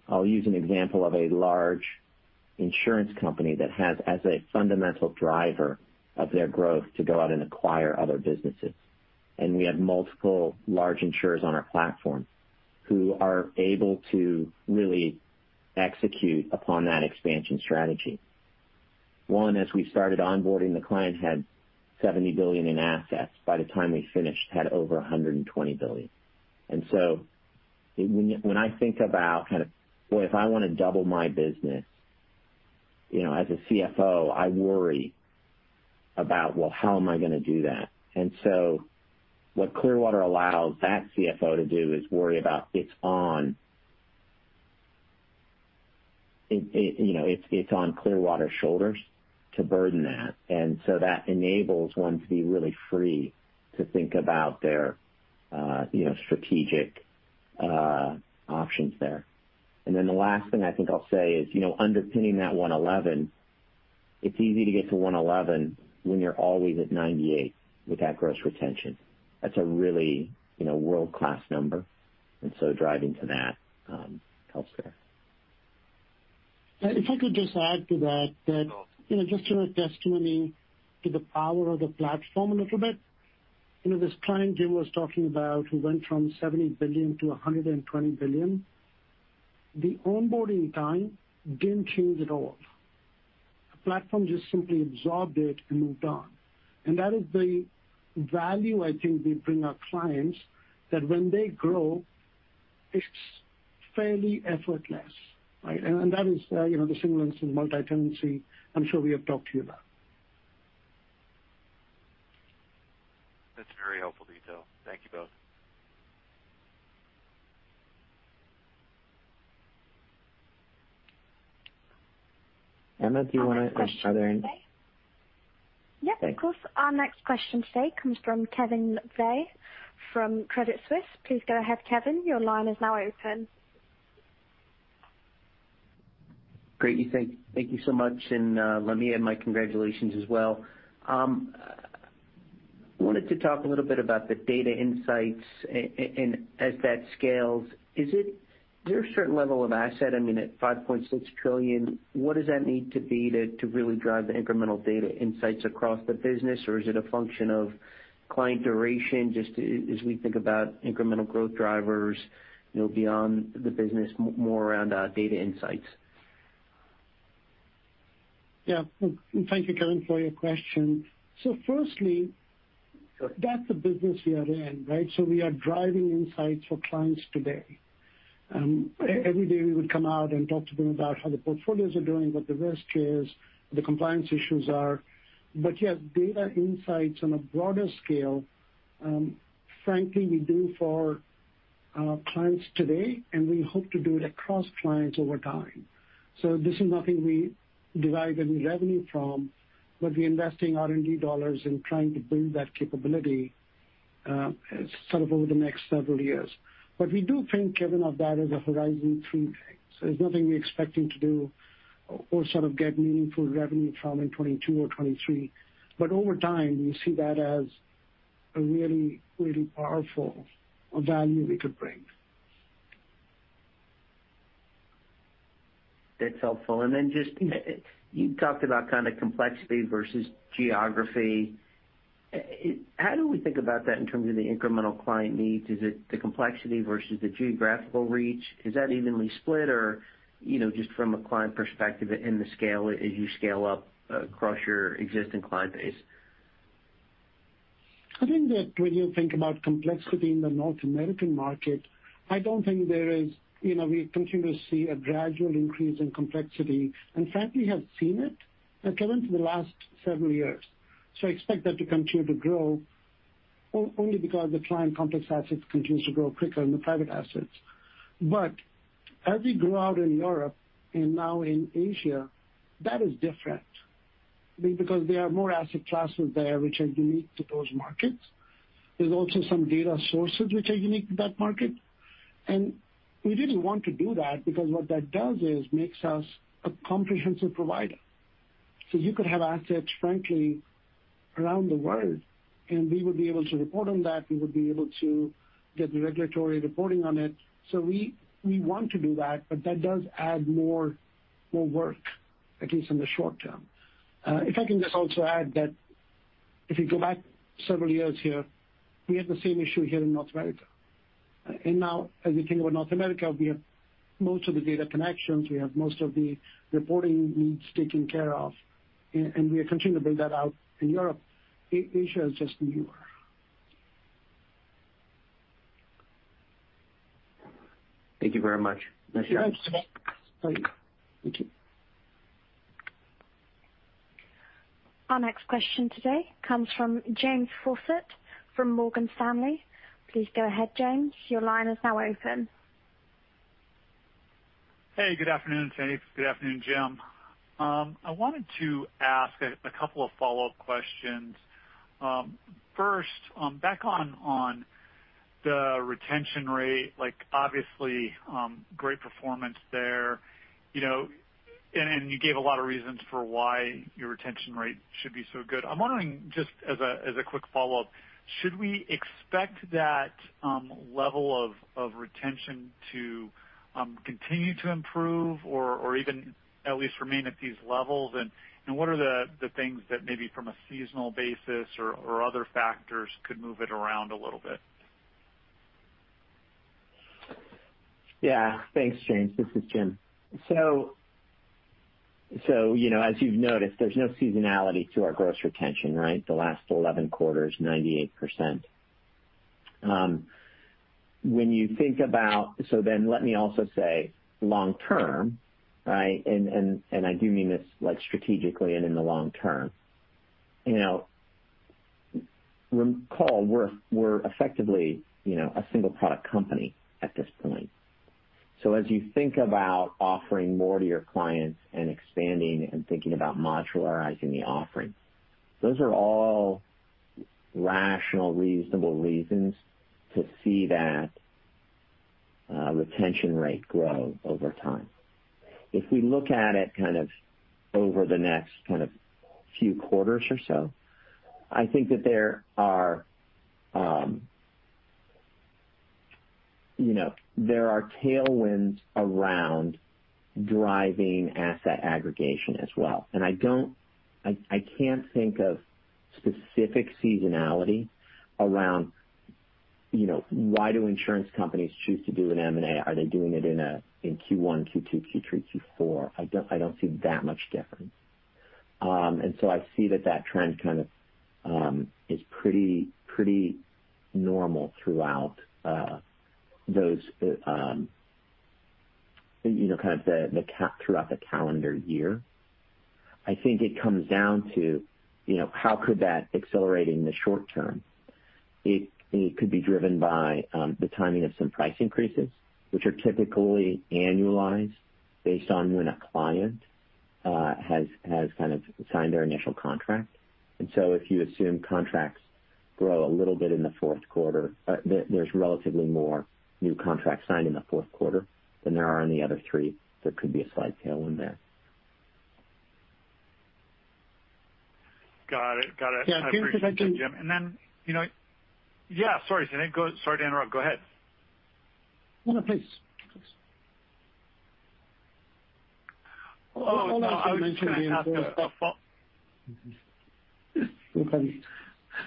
I'll use an example of a large insurance company that has as a fundamental driver of their growth to go out and acquire other businesses. We have multiple large insurers on our platform who are able to really execute upon that expansion strategy. One, as we started onboarding, the client had $70 billion in assets. By the time we finished, had over $120 billion. When I think about kind of, boy, if I wanna double my business, you know, as a CFO, I worry about, well, how am I gonna do that? What Clearwater allows that CFO to do is worry about it's on. It you know it's on Clearwater's shoulders to burden that. That enables one to be really free to think about their you know strategic options there. The last thing I think I'll say is you know underpinning that 111. It's easy to get to 111 when you're always at 98% with that gross retention. That's a really you know world-class number. Driving to that helps there.
If I could just add to that, you know, just a testimony to the power of the platform a little bit. You know, this client Jim was talking about, who went from $70 billion to $120 billion, the onboarding time didn't change at all. The platform just simply absorbed it and moved on. That is the value I think we bring our clients, that when they grow, it's fairly effortless, right? That is, you know, the single instance multi-tenancy I'm sure we have talked to you about.
That's very helpful detail. Thank you both.
Emma, do you wanna ask another-
Our next question today. Yep, of course. Our next question today comes from Kevin McVeigh from Credit Suisse. Please go ahead, Kevin. Your line is now open.
Great. Thank you so much, and let me add my congratulations as well. I wanted to talk a little bit about the data insights and as that scales, is there a certain level of asset, I mean, at $5.6 trillion, what does that need to be to really drive the incremental data insights across the business? Or is it a function of client duration just as we think about incremental growth drivers, you know, beyond the business, more around data insights?
Yeah. Thank you, Kevin, for your question. Firstly, that's the business we are in, right? We are driving insights for clients today. Every day, we would come out and talk to them about how the portfolios are doing, what the risk is, the compliance issues are. Yes, data insights on a broader scale, frankly, we do for our clients today, and we hope to do it across clients over time. This is nothing we derive any revenue from, but we're investing R&D dollars in trying to build that capability, sort of over the next several years. We do think, Kevin, of that as a horizon three thing. It's nothing we're expecting to do or sort of get meaningful revenue from in 2022 or 2023. Over time, we see that as a really, really powerful value we could bring.
That's helpful. Just, you talked about kind of complexity versus geography. How do we think about that in terms of the incremental client needs? Is it the complexity versus the geographical reach? Is that evenly split or, you know, just from a client perspective and the scale as you scale up across your existing client base?
I think that when you think about complexity in the North American market, I don't think there is, you know, we continue to see a gradual increase in complexity, and frankly, have seen it equivalent to the last several years. I expect that to continue to grow only because the client complex assets continues to grow quicker than the private assets. As we grow out in Europe and now in Asia, that is different because there are more asset classes there which are unique to those markets. There's also some data sources which are unique to that market, and we really want to do that because what that does is makes us a comprehensive provider. You could have assets, frankly, around the world, and we would be able to report on that. We would be able to get the regulatory reporting on it. We want to do that, but that does add more work, at least in the short term. If I can just also add that if you go back several years here, we had the same issue here in North America. Now as we think about North America, we have most of the data connections, we have most of the reporting needs taken care of, and we are continuing to build that out in Europe. Asia is just newer.
Thank you very much. Nice job.
Thank you.
Thank you.
Our next question today comes from James Fawcett from Morgan Stanley. Please go ahead, James. Your line is now open.
Hey, good afternoon, Sandeep. Good afternoon, Jim. I wanted to ask a couple of follow-up questions. First, back on the retention rate, like obviously great performance there, you know, and you gave a lot of reasons for why your retention rate should be so good. I'm wondering, just as a quick follow-up, should we expect that level of retention to continue to improve or even at least remain at these levels? What are the things that maybe from a seasonal basis or other factors could move it around a little bit?
Yeah. Thanks, James. This is Jim. So, you know, as you've noticed, there's no seasonality to our gross retention, right? The last 11 quarters, 98%. When you think about. Let me also say long term, right? And I do mean this like strategically and in the long term. You know, recall we're effectively, you know, a single product company at this point. So as you think about offering more to your clients and expanding and thinking about modularizing the offering, those are all rational, reasonable reasons to see that retention rate grow over time. If we look at it kind of over the next kind of few quarters or so, I think that there are, you know, there are tailwinds around driving asset aggregation as well. I can't think of specific seasonality around, you know, why do insurance companies choose to do an M&A? Are the doing it in Q1, Q2, Q3, Q4? I don't see that much difference. I see that trend kind of is pretty normal throughout the calendar year. I think it comes down to, you know, how could that accelerate in the short term? It could be driven by the timing of some price increases, which are typically annualized based on when a client has kind of signed their initial contract. If you assume contracts grow a little bit in the fourth quarter, there's relatively more new contracts signed in the fourth quarter than there are in the other three. There could be a slight tailwind there.
Got it.
Yeah. James, if I can.
You know, yeah, sorry, Sandeep. Go. Sorry to interrupt. Go ahead.
No, no, please. Please.
Oh, now I'm getting asked a follow-up.
Okay.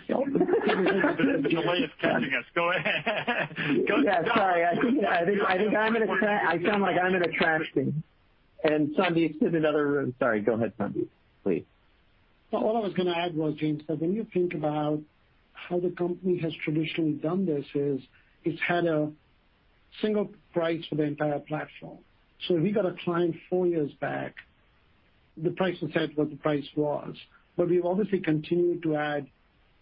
The delay is catching us. Go ahead.
Yeah. Sorry. I think I sound like I'm in a trash can. Sandeep's in another room. Sorry. Go ahead, Sandeep, please.
All I was gonna add was, James, that when you think about how the company has traditionally done this, it's had a single price for the entire platform. If we got a client four years back, the price was set what the price was. We've obviously continued to add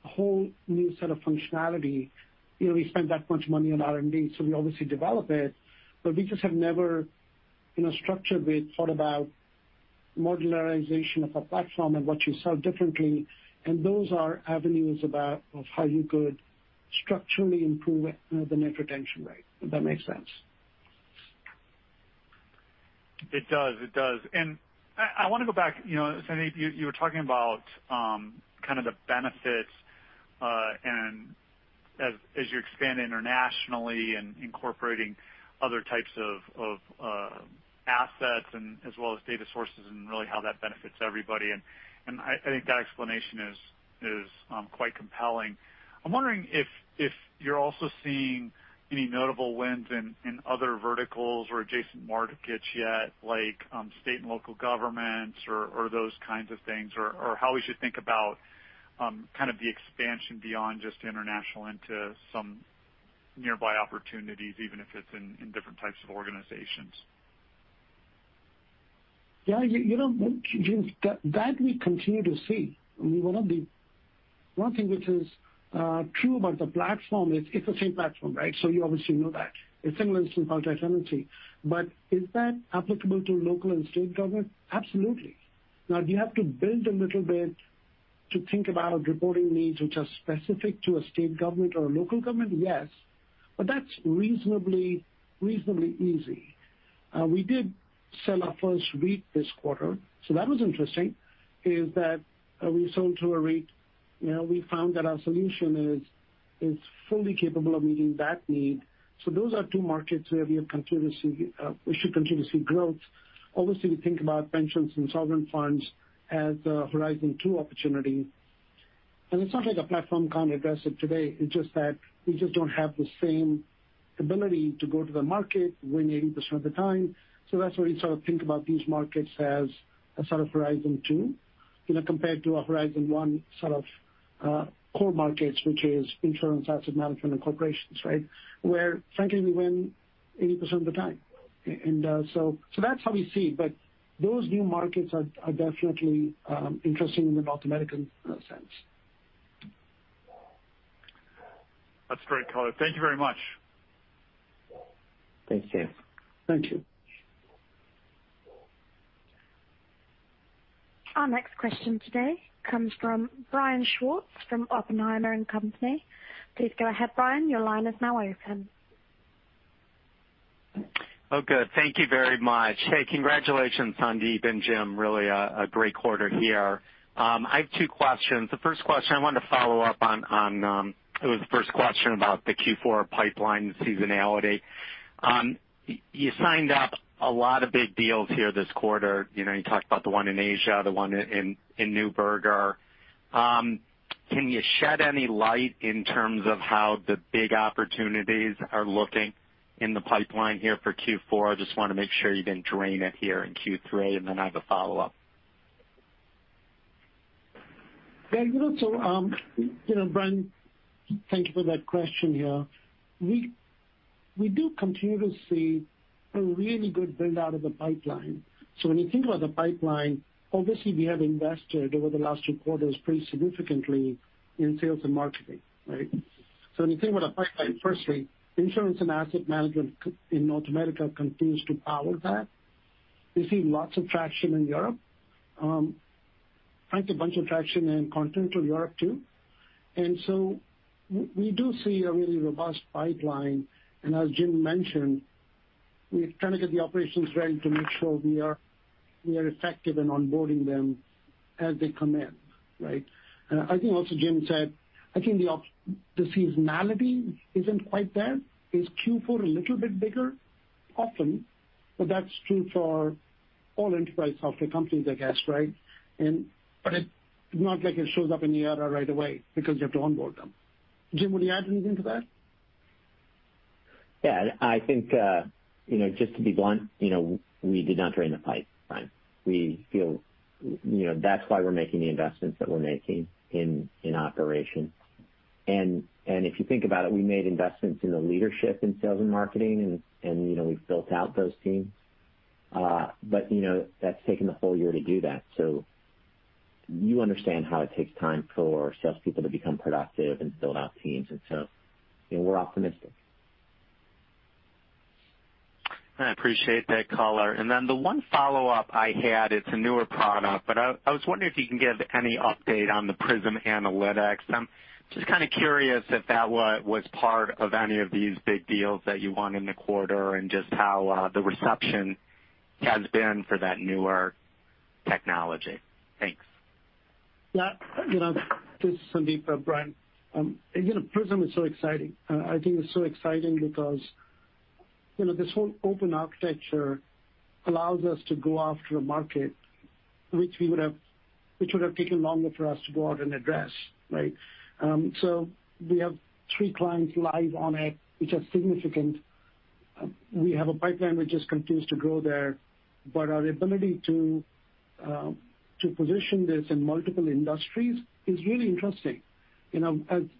a whole new set of functionality. You know, we spend that much money on R&D, so we obviously develop it, but we just have never, you know, structured with thought about modularization of a platform and what you sell differently. Those are avenues about, of how you could structurally improve the net retention rate, if that makes sense.
It does. I wanna go back. You know, Sandeep, you were talking about kind of the benefits, and as you expand internationally and incorporating other types of assets and as well as data sources, and really how that benefits everybody. I think that explanation is quite compelling. I'm wondering if you're also seeing any notable wins in other verticals or adjacent markets yet, like state and local governments or those kinds of things, or how we should think about kind of the expansion beyond just international into some nearby opportunities, even if it's in different types of organizations.
Yeah, you know, James, that we continue to see. I mean, one thing which is true about the platform is it's the same platform, right? So you obviously know that. It's similar to multi-tenancy. But is that applicable to local and state government? Absolutely. Now, do you have to build a little bit to think about reporting needs which are specific to a state government or a local government? Yes. But that's reasonably easy. We did sell our first REIT this quarter, so that was interesting, that we sold to a REIT. You know, we found that our solution is fully capable of meeting that need. So those are two markets where we have continued to see, we should continue to see growth. Obviously, we think about pensions and sovereign funds as a horizon two opportunity. It's not like the platform can't address it today, it's just that we just don't have the same ability to go to the market, win 80% of the time. That's why we sort of think about these markets as a sort of horizon two, you know, compared to a horizon one sort of core markets, which is insurance, asset management, and corporations, right? Where frankly, we win 80% of the time. That's how we see it, but those new markets are definitely interesting in the North American sense.
That's very clear. Thank you very much.
Thank you.
Thank you.
Our next question today comes from Brian Schwartz from Oppenheimer & Co. Please go ahead, Brian. Your line is now open.
Oh, good. Thank you very much. Hey, congratulations, Sandeep and Jim. Really a great quarter here. I have two questions. The first question I wanted to follow up on, it was the first question about the Q4 pipeline seasonality. You signed up a lot of big deals here this quarter. You know, you talked about the one in Asia, the one in Neuberger. Can you shed any light in terms of how the big opportunities are looking in the pipeline here for Q4? I just wanna make sure you didn't drain it here in Q3. I have a follow-up.
Brian, thank you for that question here. We do continue to see a really good build-out of the pipeline. When you think about the pipeline, obviously we have invested over the last two quarters pretty significantly in sales and marketing, right? When you think about the pipeline, firstly, insurance and asset management in North America continues to power that. We see lots of traction in Europe. Frankly, a bunch of traction in Continental Europe too. We do see a really robust pipeline, and as Jim mentioned, we're trying to get the operations ready to make sure we are effective in onboarding them as they come in, right? I think also Jim said, I think the seasonality isn't quite there. Is Q4 a little bit bigger? Often, but that's true for all enterprise software companies, I guess, right? It's not like it shows up in the ARR right away because you have to onboard them. Jim, would you add anything to that?
Yeah. I think you know, just to be blunt, you know, we did not drain the pipe, Brian. We feel you know, that's why we're making the investments that we're making in operation. If you think about it, we made investments in the leadership in sales and marketing, and you know, we've built out those teams. You know, that's taken the whole year to do that. You understand how it takes time for salespeople to become productive and build out teams. You know, we're optimistic.
I appreciate that color. The one follow-up I had, it's a newer product, but I was wondering if you can give any update on the PRISM Analytics. I'm just kind of curious if that was part of any of these big deals that you won in the quarter and just how the reception has been for that newer technology. Thanks.
Yeah. You know, this is Sandeep, Brian. You know, PRISM is so exciting. I think it's so exciting because, you know, this whole open architecture allows us to go after a market which would have taken longer for us to go out and address, right? We have three clients live on it, which are significant. We have a pipeline which just continues to grow there, but our ability to position this in multiple industries is really interesting. You know,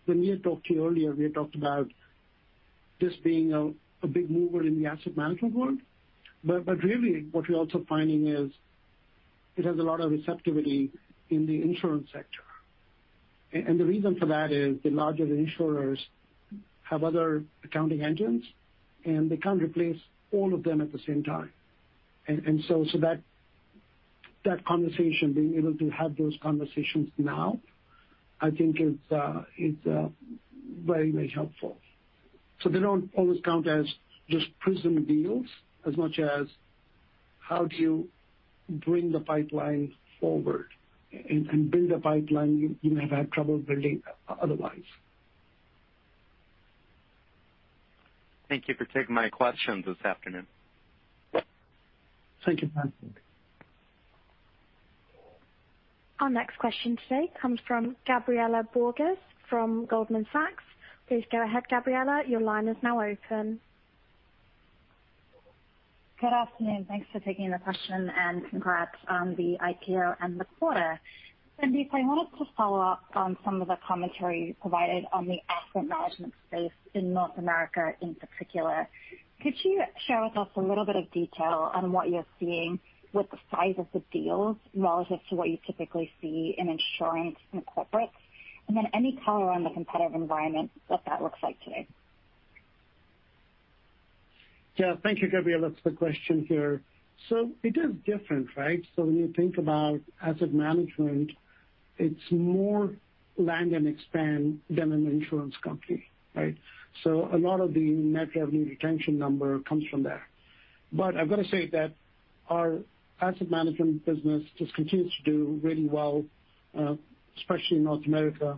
when we had talked to you earlier, we had talked about this being a big mover in the asset management world. Really what we're also finding is it has a lot of receptivity in the insurance sector. The reason for that is the larger insurers have other accounting engines, and they can't replace all of them at the same time. That conversation, being able to have those conversations now, I think is very helpful. They don't always count as just PRISM deals as much as how do you bring the pipeline forward and build a pipeline you may have had trouble building otherwise.
Thank you for taking my questions this afternoon.
Thank you, Brian.
Our next question today comes from Gabriela Borges from Goldman Sachs. Please go ahead, Gabriela. Your line is now open.
Good afternoon. Thanks for taking the question, and congrats on the IPO and the quarter. Sandeep, I wanted to follow up on some of the commentary you provided on the asset management space in North America in particular. Could you share with us a little bit of detail on what you're seeing with the size of the deals relative to what you typically see in insurance and corporates? And then any color on the competitive environment, what that looks like today.
Yeah. Thank you, Gabriela, for the question here. It is different, right? When you think about asset management, it's more land and expand than an insurance company, right? A lot of the net revenue retention number comes from there. I've got to say that our asset management business just continues to do really well, especially in North America.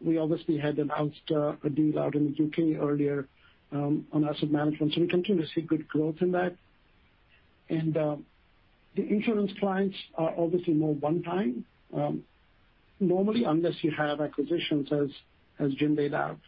We obviously had announced a deal out in the U.K. earlier on asset management, so we continue to see good growth in that. The insurance clients are obviously more one time normally unless you have acquisitions as Jim laid out.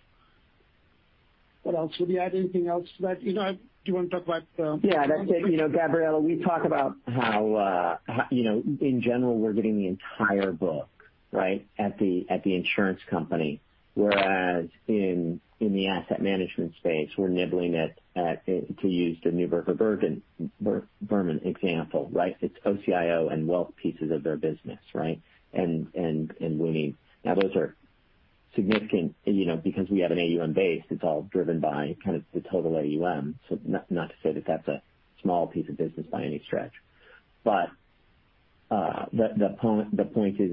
What else? Would you add anything else to that? You know, do you want to talk about?
Yeah. You know, Gabriela, we talk about how, you know, in general we're getting the entire book, right? At the insurance company. Whereas in the asset management space, we're nibbling at, to use the Neuberger Berman example, right? It's OCIO and wealth pieces of their business, right? Winning. Now, those are significant, you know, because we have an AUM base, it's all driven by kind of the total AUM. Not to say that that's a small piece of business by any stretch. The point is,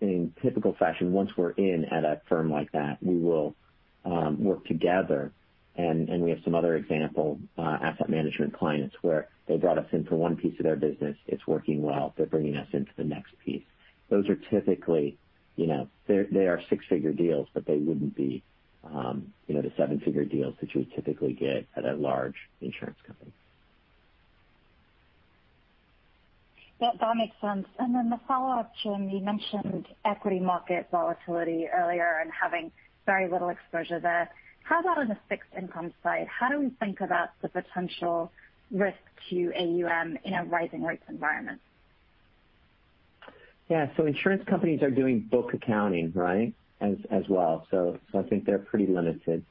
in typical fashion, once we're in at a firm like that, we will work together and we have some other example, asset management clients where they brought us in for one piece of their business. It's working well. They're bringing us into the next piece. Those are typically, you know, they are six-figure deals, but they wouldn't be, you know, the seven-figure deals that you would typically get at a large insurance company.
Yeah, that makes sense. The follow-up, Jim, you mentioned equity market volatility earlier and having very little exposure there. How about on the fixed income side? How do we think about the potential risk to AUM in a rising rates environment?
Yeah. Insurance companies are doing book accounting, right? As well. I think they're pretty limited.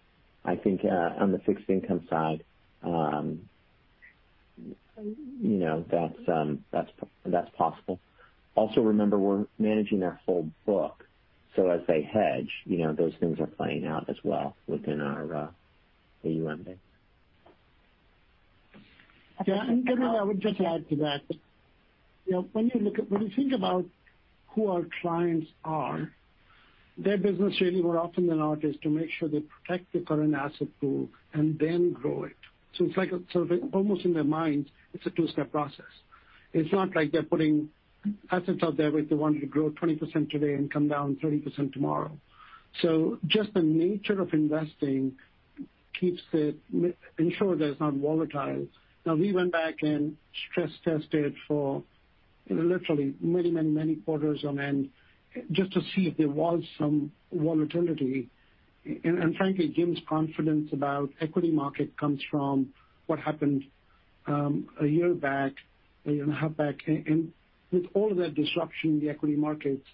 I think on the fixed income side, you know, that's possible. Also remember, we're managing their whole book, so as they hedge, you know, those things are playing out as well within our AUM base.
Yeah, Gabriela, I would just add to that, you know, when you think about who our clients are, their business really more often than not is to make sure they protect their current asset pool and then grow it. It's like a sort of almost in their minds, it's a two-step process. It's not like they're putting assets out there which they wanted to grow 20% today and come down 30% tomorrow. Just the nature of investing keeps it, ensure that it's not volatile. Now, we went back and stress tested for literally many, many, many quarters on end just to see if there was some volatility. Frankly, Jim's confidence about equity market comes from what happened, a year back, a year and a half back. With all of that disruption in the equity markets,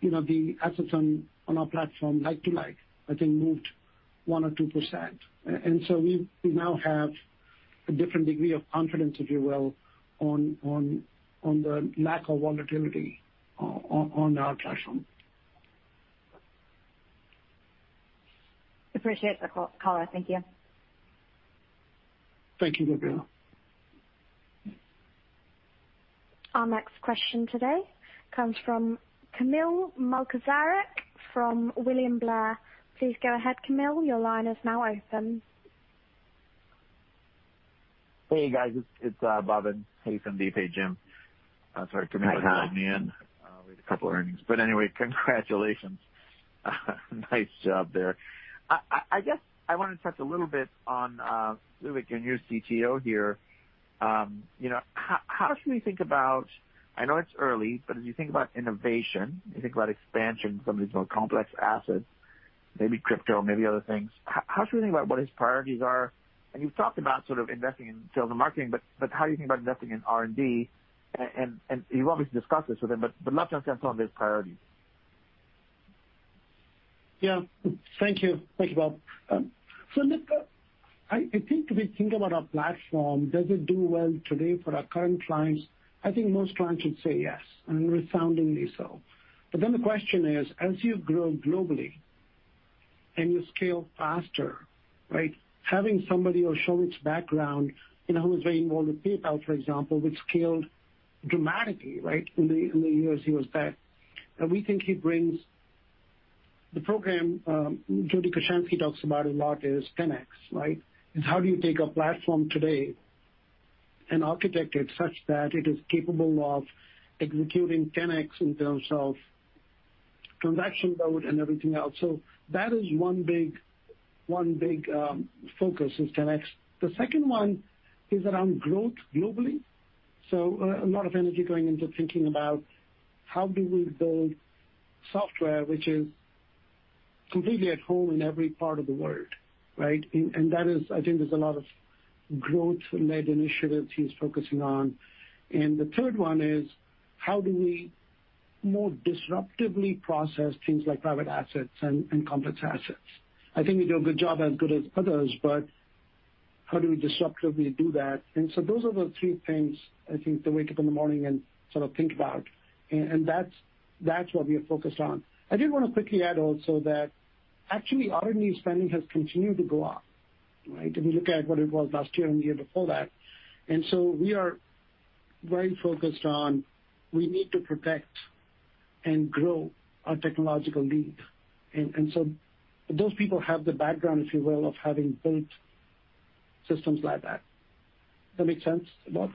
you know, the assets on our platform like to like, I think moved 1%-2%. We now have a different degree of confidence, if you will, on the lack of volatility on our platform.
Appreciate the call, thank you.
Thank you, Gabriela.
Our next question today comes from Kamil Mielczarek from William Blair. Please go ahead, Kamil. Your line is now open.
Hey, guys, it's Bhavin. Hey, Sandeep. Hey, Jim. Sorry, Kamil, for dialing you in.
Hi, Bhavin.
We have a couple of earnings. Anyway, congratulations. Nice job there. I guess I wanted to touch a little bit on Souvik and your CTO here. You know, how should we think about. I know it's early, but as you think about innovation, you think about expansion, some of these more complex assets, maybe crypto, maybe other things. How should we think about what his priorities are? You've talked about sort of investing in sales and marketing, but how are you think about investing in R&D? You obviously discussed this with him, but would love to get sort of his priorities.
Yeah. Thank you. Thank you, Bhavin. So look, I think if we think about our platform, does it do well today for our current clients? I think most clients would say yes, and resoundingly so. The question is, as you grow globally and you scale faster, right? Having somebody with Souvik's background, you know, who was very involved with PayPal, for example, which scaled dramatically, right, in the years he was there. We think he brings the program 30% he does about a lot is 10x, right? Is how do you take a platform today and architect it such that it is capable of executing 10x in terms of transaction load and everything else. That is one big focus is 10x. The second one is around growth globally. A lot of energy going into thinking about how do we build software which is completely at home in every part of the world, right? That is. I think there's a lot of growth-led initiatives he's focusing on. The third one is how do we more disruptively process things like private assets and complex assets? I think we do a good job as good as others, but how do we disruptively do that? Those are the three things I think they wake up in the morning and sort of think about. That's what we are focused on. I did want to quickly add also that actually R&D spending has continued to go up, right? If you look at what it was last year and the year before that. We are very focused on we need to protect and grow our technological lead. Those people have the background, if you will, of having built systems like that. That makes sense, Bhavin?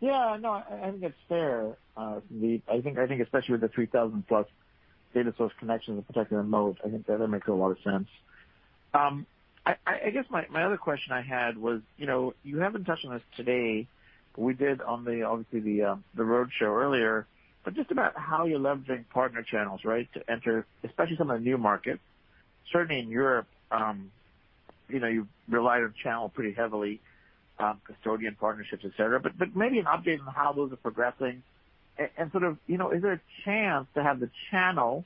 Yeah, no, I think it's fair. I think especially with the +3,000 data source connections and protecting the moat, I think that makes a lot of sense. I guess my other question I had was, you know, you haven't touched on this today. We did, obviously, on the roadshow earlier, but just about how you leverage partner channels, right, to enter, especially some of the new markets. Certainly in Europe, you know, you've relied on channel pretty heavily, custodian partnerships, etc. Maybe an update on how those are progressing and sort of, you know, is there a chance to have the channel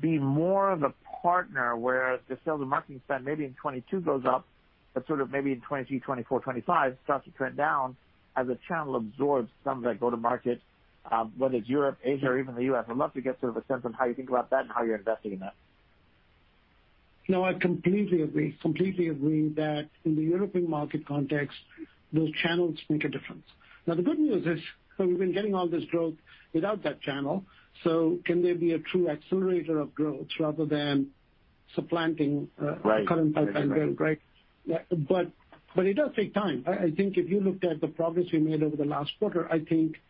be more of a partner where the sales and marketing spend maybe in 2022 goes up, but sort of maybe in 2023, 2024, 2025 starts to trend down as the channel absorbs some of that go-to-market, whether it's Europe, Asia or even the U.S.. I'd love to get sort of a sense on how you think about that and how you're investing in that.
No, I completely agree that in the European market context, those channels make a difference. Now, the good news is we've been getting all this growth without that channel. Can there be a true accelerator of growth rather than supplanting?
Right.
The current pipeline build, right. It does take time. I think if you looked at the progress we made over the last quarter, I think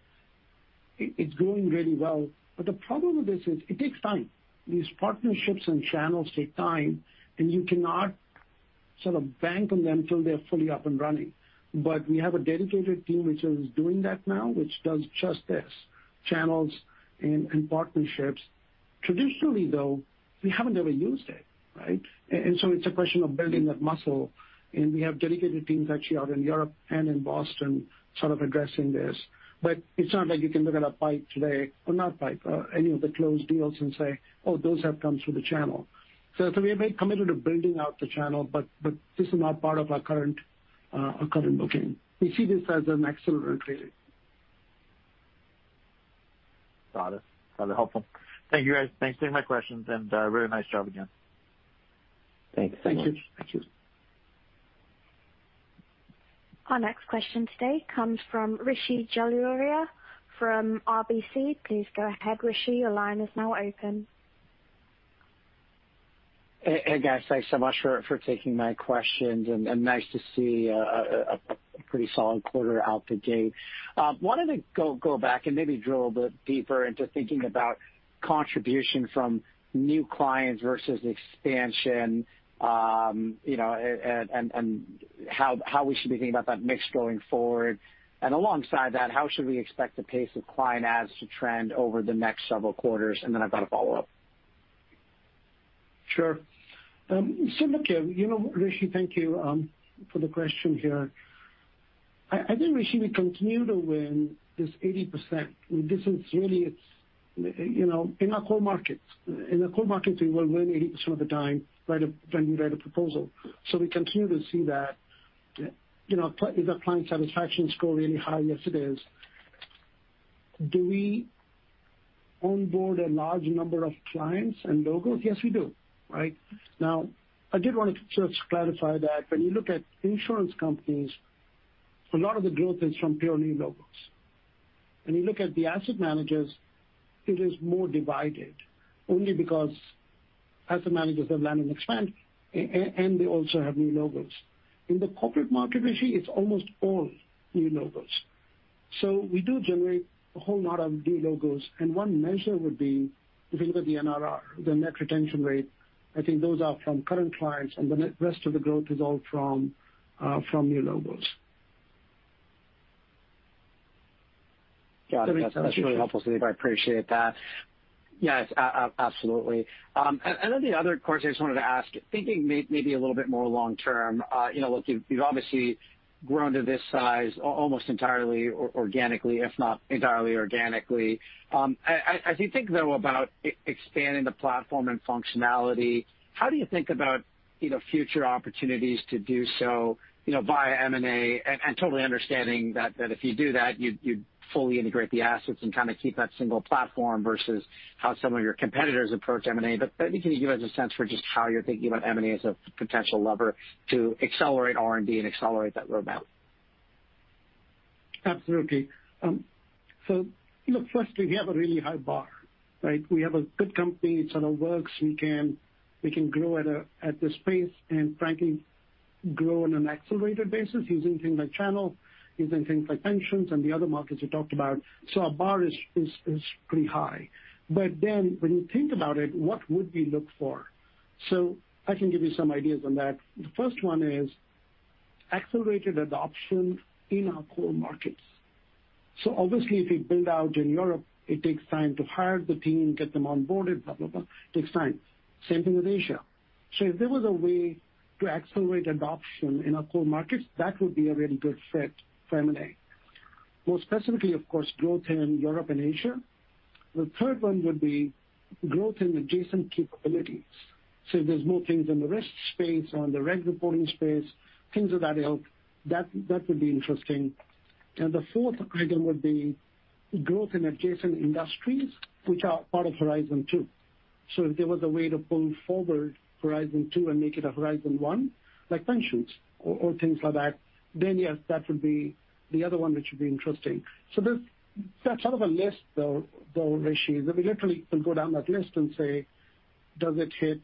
it's going really well. The problem with this is it takes time. These partnerships and channels take time, and you cannot sort of bank on them until they're fully up and running. We have a dedicated team which is doing that now, which does just this, channels and partnerships. Traditionally, though, we have never used it, right? So it's a question of building that muscle. We have dedicated teams actually out in Europe and in Boston sort of addressing this. It's not like you can look at a pipeline today or not pipeline, any of the closed deals and say, "Oh, those have come through the channel." We are very committed to building out the channel, but this is not part of our current, our current booking. We see this as an accelerator.
Got it. That's helpful. Thank you, guys. Thanks for taking my questions, and really nice job again.
Thank you.
Thank you.
Thank you.
Our next question today comes from Rishi Jaluria from RBC. Please go ahead, Rishi. Your line is now open.
Hey, guys. Thanks so much for taking my questions and nice to see a pretty solid quarter out the gate. I wanted to go back and maybe drill a bit deeper into thinking about contribution from new clients versus expansion, you know, and how we should be thinking about that mix going forward. Alongside that, how should we expect the pace of client adds to trend over the next several quarters? Then I've got a follow-up.
Sure. So look here. You know, Rishi, thank you for the question here. I think, Rishi, we continue to win this 80%. This is really it's, you know. In our core markets. In the core markets, we will win 80% of the time, when we write a proposal. We continue to see that. You know, is our client satisfaction score really high? Yes, it is. Do we onboard a large number of clients and logos? Yes, we do. Right? Now, I did want to just clarify that when you look at insurance companies, a lot of the growth is from purely logos. When you look at the asset managers, it is more divided only because asset managers have land and expand, and they also have new logos. In the corporate market, Rishi, it's almost all new logos. We do generate a whole lot of new logos, and one measure would be if you look at the NRR, the net retention rate. I think those are from current clients, and the rest of the growth is all from new logos.
Got it. That's really helpful, Sandeep. I appreciate that. Yes, absolutely. The other question I just wanted to ask, thinking maybe a little bit more long term, you know, look, you've obviously grown to this size almost entirely organically, if not entirely organically. As you think, though, about expanding the platform and functionality, how do you think about, you know, future opportunities to do so, you know, via M&A and totally understanding that if you do that, you'd fully integrate the assets and kinda keep that single platform versus how some of your competitors approach M&A. Maybe can you give us a sense for just how you're thinking about M&A as a potential lever to accelerate R&D and accelerate that roadmap?
Absolutely. Look, firstly, we have a really high bar, right? We have a good company. It sort of works. We can grow at this pace and frankly grow on an accelerated basis using things like channel, using things like pensions and the other markets we talked about. Our bar is pretty high. When you think about it, what would we look for? I can give you some ideas on that. The first one is accelerated adoption in our core markets. Obviously, if we build out in Europe, it takes time to hire the team, get them onboarded, blah, blah. It takes time. Same thing with Asia. If there was a way to accelerate adoption in our core markets, that would be a really good fit for M&A. More specifically, of course, growth in Europe and Asia. The third one would be growth in adjacent capabilities. If there's more things in the risk space, on the reg reporting space, things of that help, that would be interesting. The fourth item would be growth in adjacent industries which are part of Horizon Two. If there was a way to pull forward Horizon 2 and make it a Horizon 1, like pensions or things like that, then, yes, that would be the other one which would be interesting. There's. That's sort of a list, though, Rishi, that we literally can go down that list and say, "Does it hit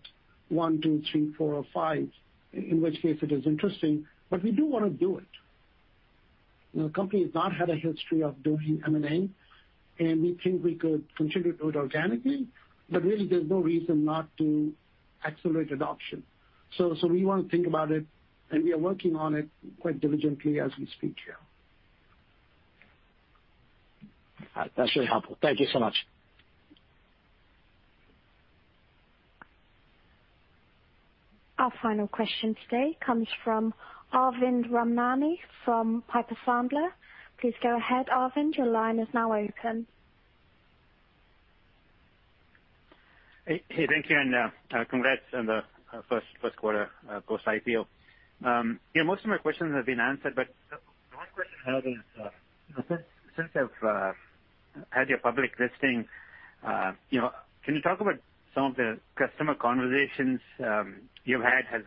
one, two, three, four or five?" In which case it is interesting, but we do wanna do it. You know, the company has not had a history of doing M&A, and we think we could continue to do it organically, but really there's no reason not to accelerate adoption. We want to think about it, and we are working on it quite diligently as we speak here.
That's really helpful. Thank you so much.
Our final question today comes from Arvind Ramnani from Piper Sandler. Please go ahead, Arvind. Your line is now open.
Hey, thank you, and congrats on the first quarter post-IPO. Yeah, most of my questions have been answered, but the one question I have is, you know, since you've had your public listing, you know, can you talk about some of the customer conversations you've had? Has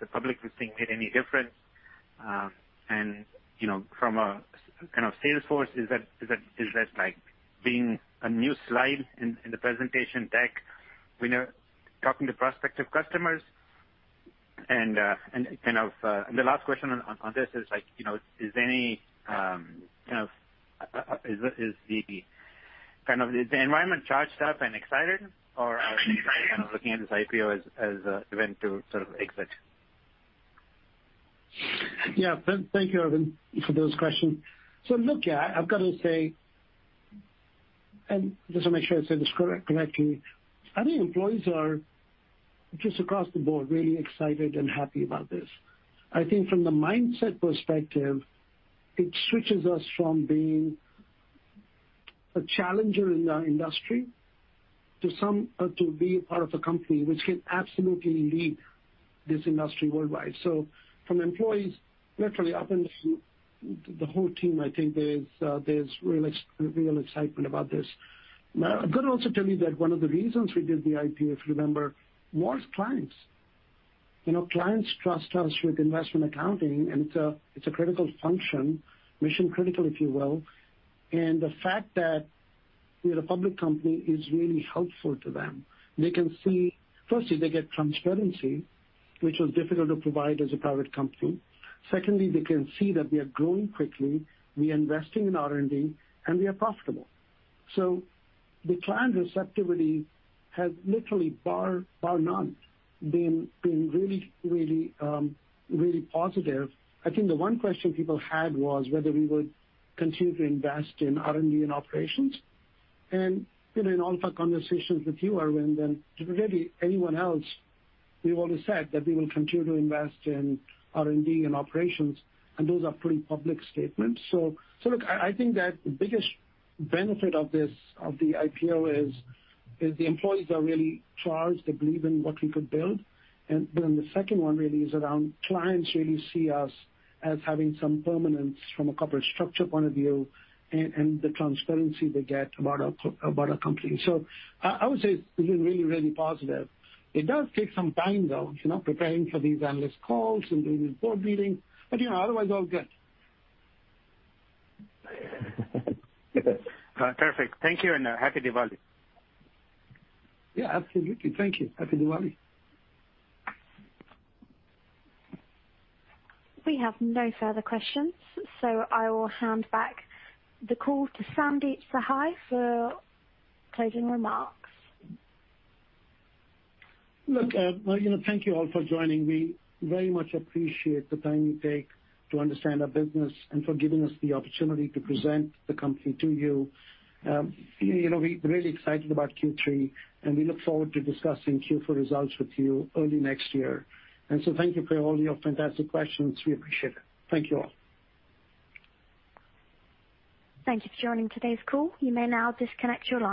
the public listing made any difference? And, you know, from a sales force, is that like being a new slide in the presentation deck when you're talking to prospective customers? And the last question on this is like, you know, is any kind of, is the kind of the... Is the environment charged up and excited or are they kind of looking at this IPO as an event to sort of exit?
Yeah. Thank you, Arvind, for those questions. Look, yeah, I've got to say, and just to make sure I say this correctly, I think employees are just across the board really excited and happy about this. I think from the mindset perspective, it switches us from being a challenger in our industry to some to be a part of a company which can absolutely lead this industry worldwide. From employees literally up and down, the whole team, I think there's real excitement about this. Now, I'm gonna also tell you that one of the reasons we did the IPO, if you remember, was clients. You know, clients trust us with investment accounting, and it's a critical function, mission-critical, if you will. The fact that we're a public company is really helpful to them. They can see. First, they get transparency, which was difficult to provide as a private company. Second, they can see that we are growing quickly, we are investing in R&D, and we are profitable. The client receptivity has literally bar none been really positive. I think the one question people had was whether we would continue to invest in R&D and operations. You know, in all of our conversations with you, Arvind, and really anyone else, we've always said that we will continue to invest in R&D and operations, and those are pretty public statements. Look, I think that the biggest benefit of this, of the IPO is the employees are really charged. They believe in what we could build. Then the second one really is around clients really see us as having some permanence from a corporate structure point of view and the transparency they get about our company. I would say it's been really positive. It does take some time, though, you know, preparing for these analyst calls and doing report readings. You know, otherwise, all good.
Perfect. Thank you, and Happy Diwali.
Yeah, absolutely. Thank you. Happy Diwali.
We have no further questions, so I will hand back the call to Sandeep Sahai for closing remarks.
Look, you know, thank you all for joining me. I very much appreciate the time you take to understand our business and for giving us the opportunity to present the company to you. You know, we're really excited about Q3, and we look forward to discussing Q4 results with you early next year. Thank you for all your fantastic questions. We appreciate it. Thank you all.
Thank you for joining today's call. You may now disconnect your line.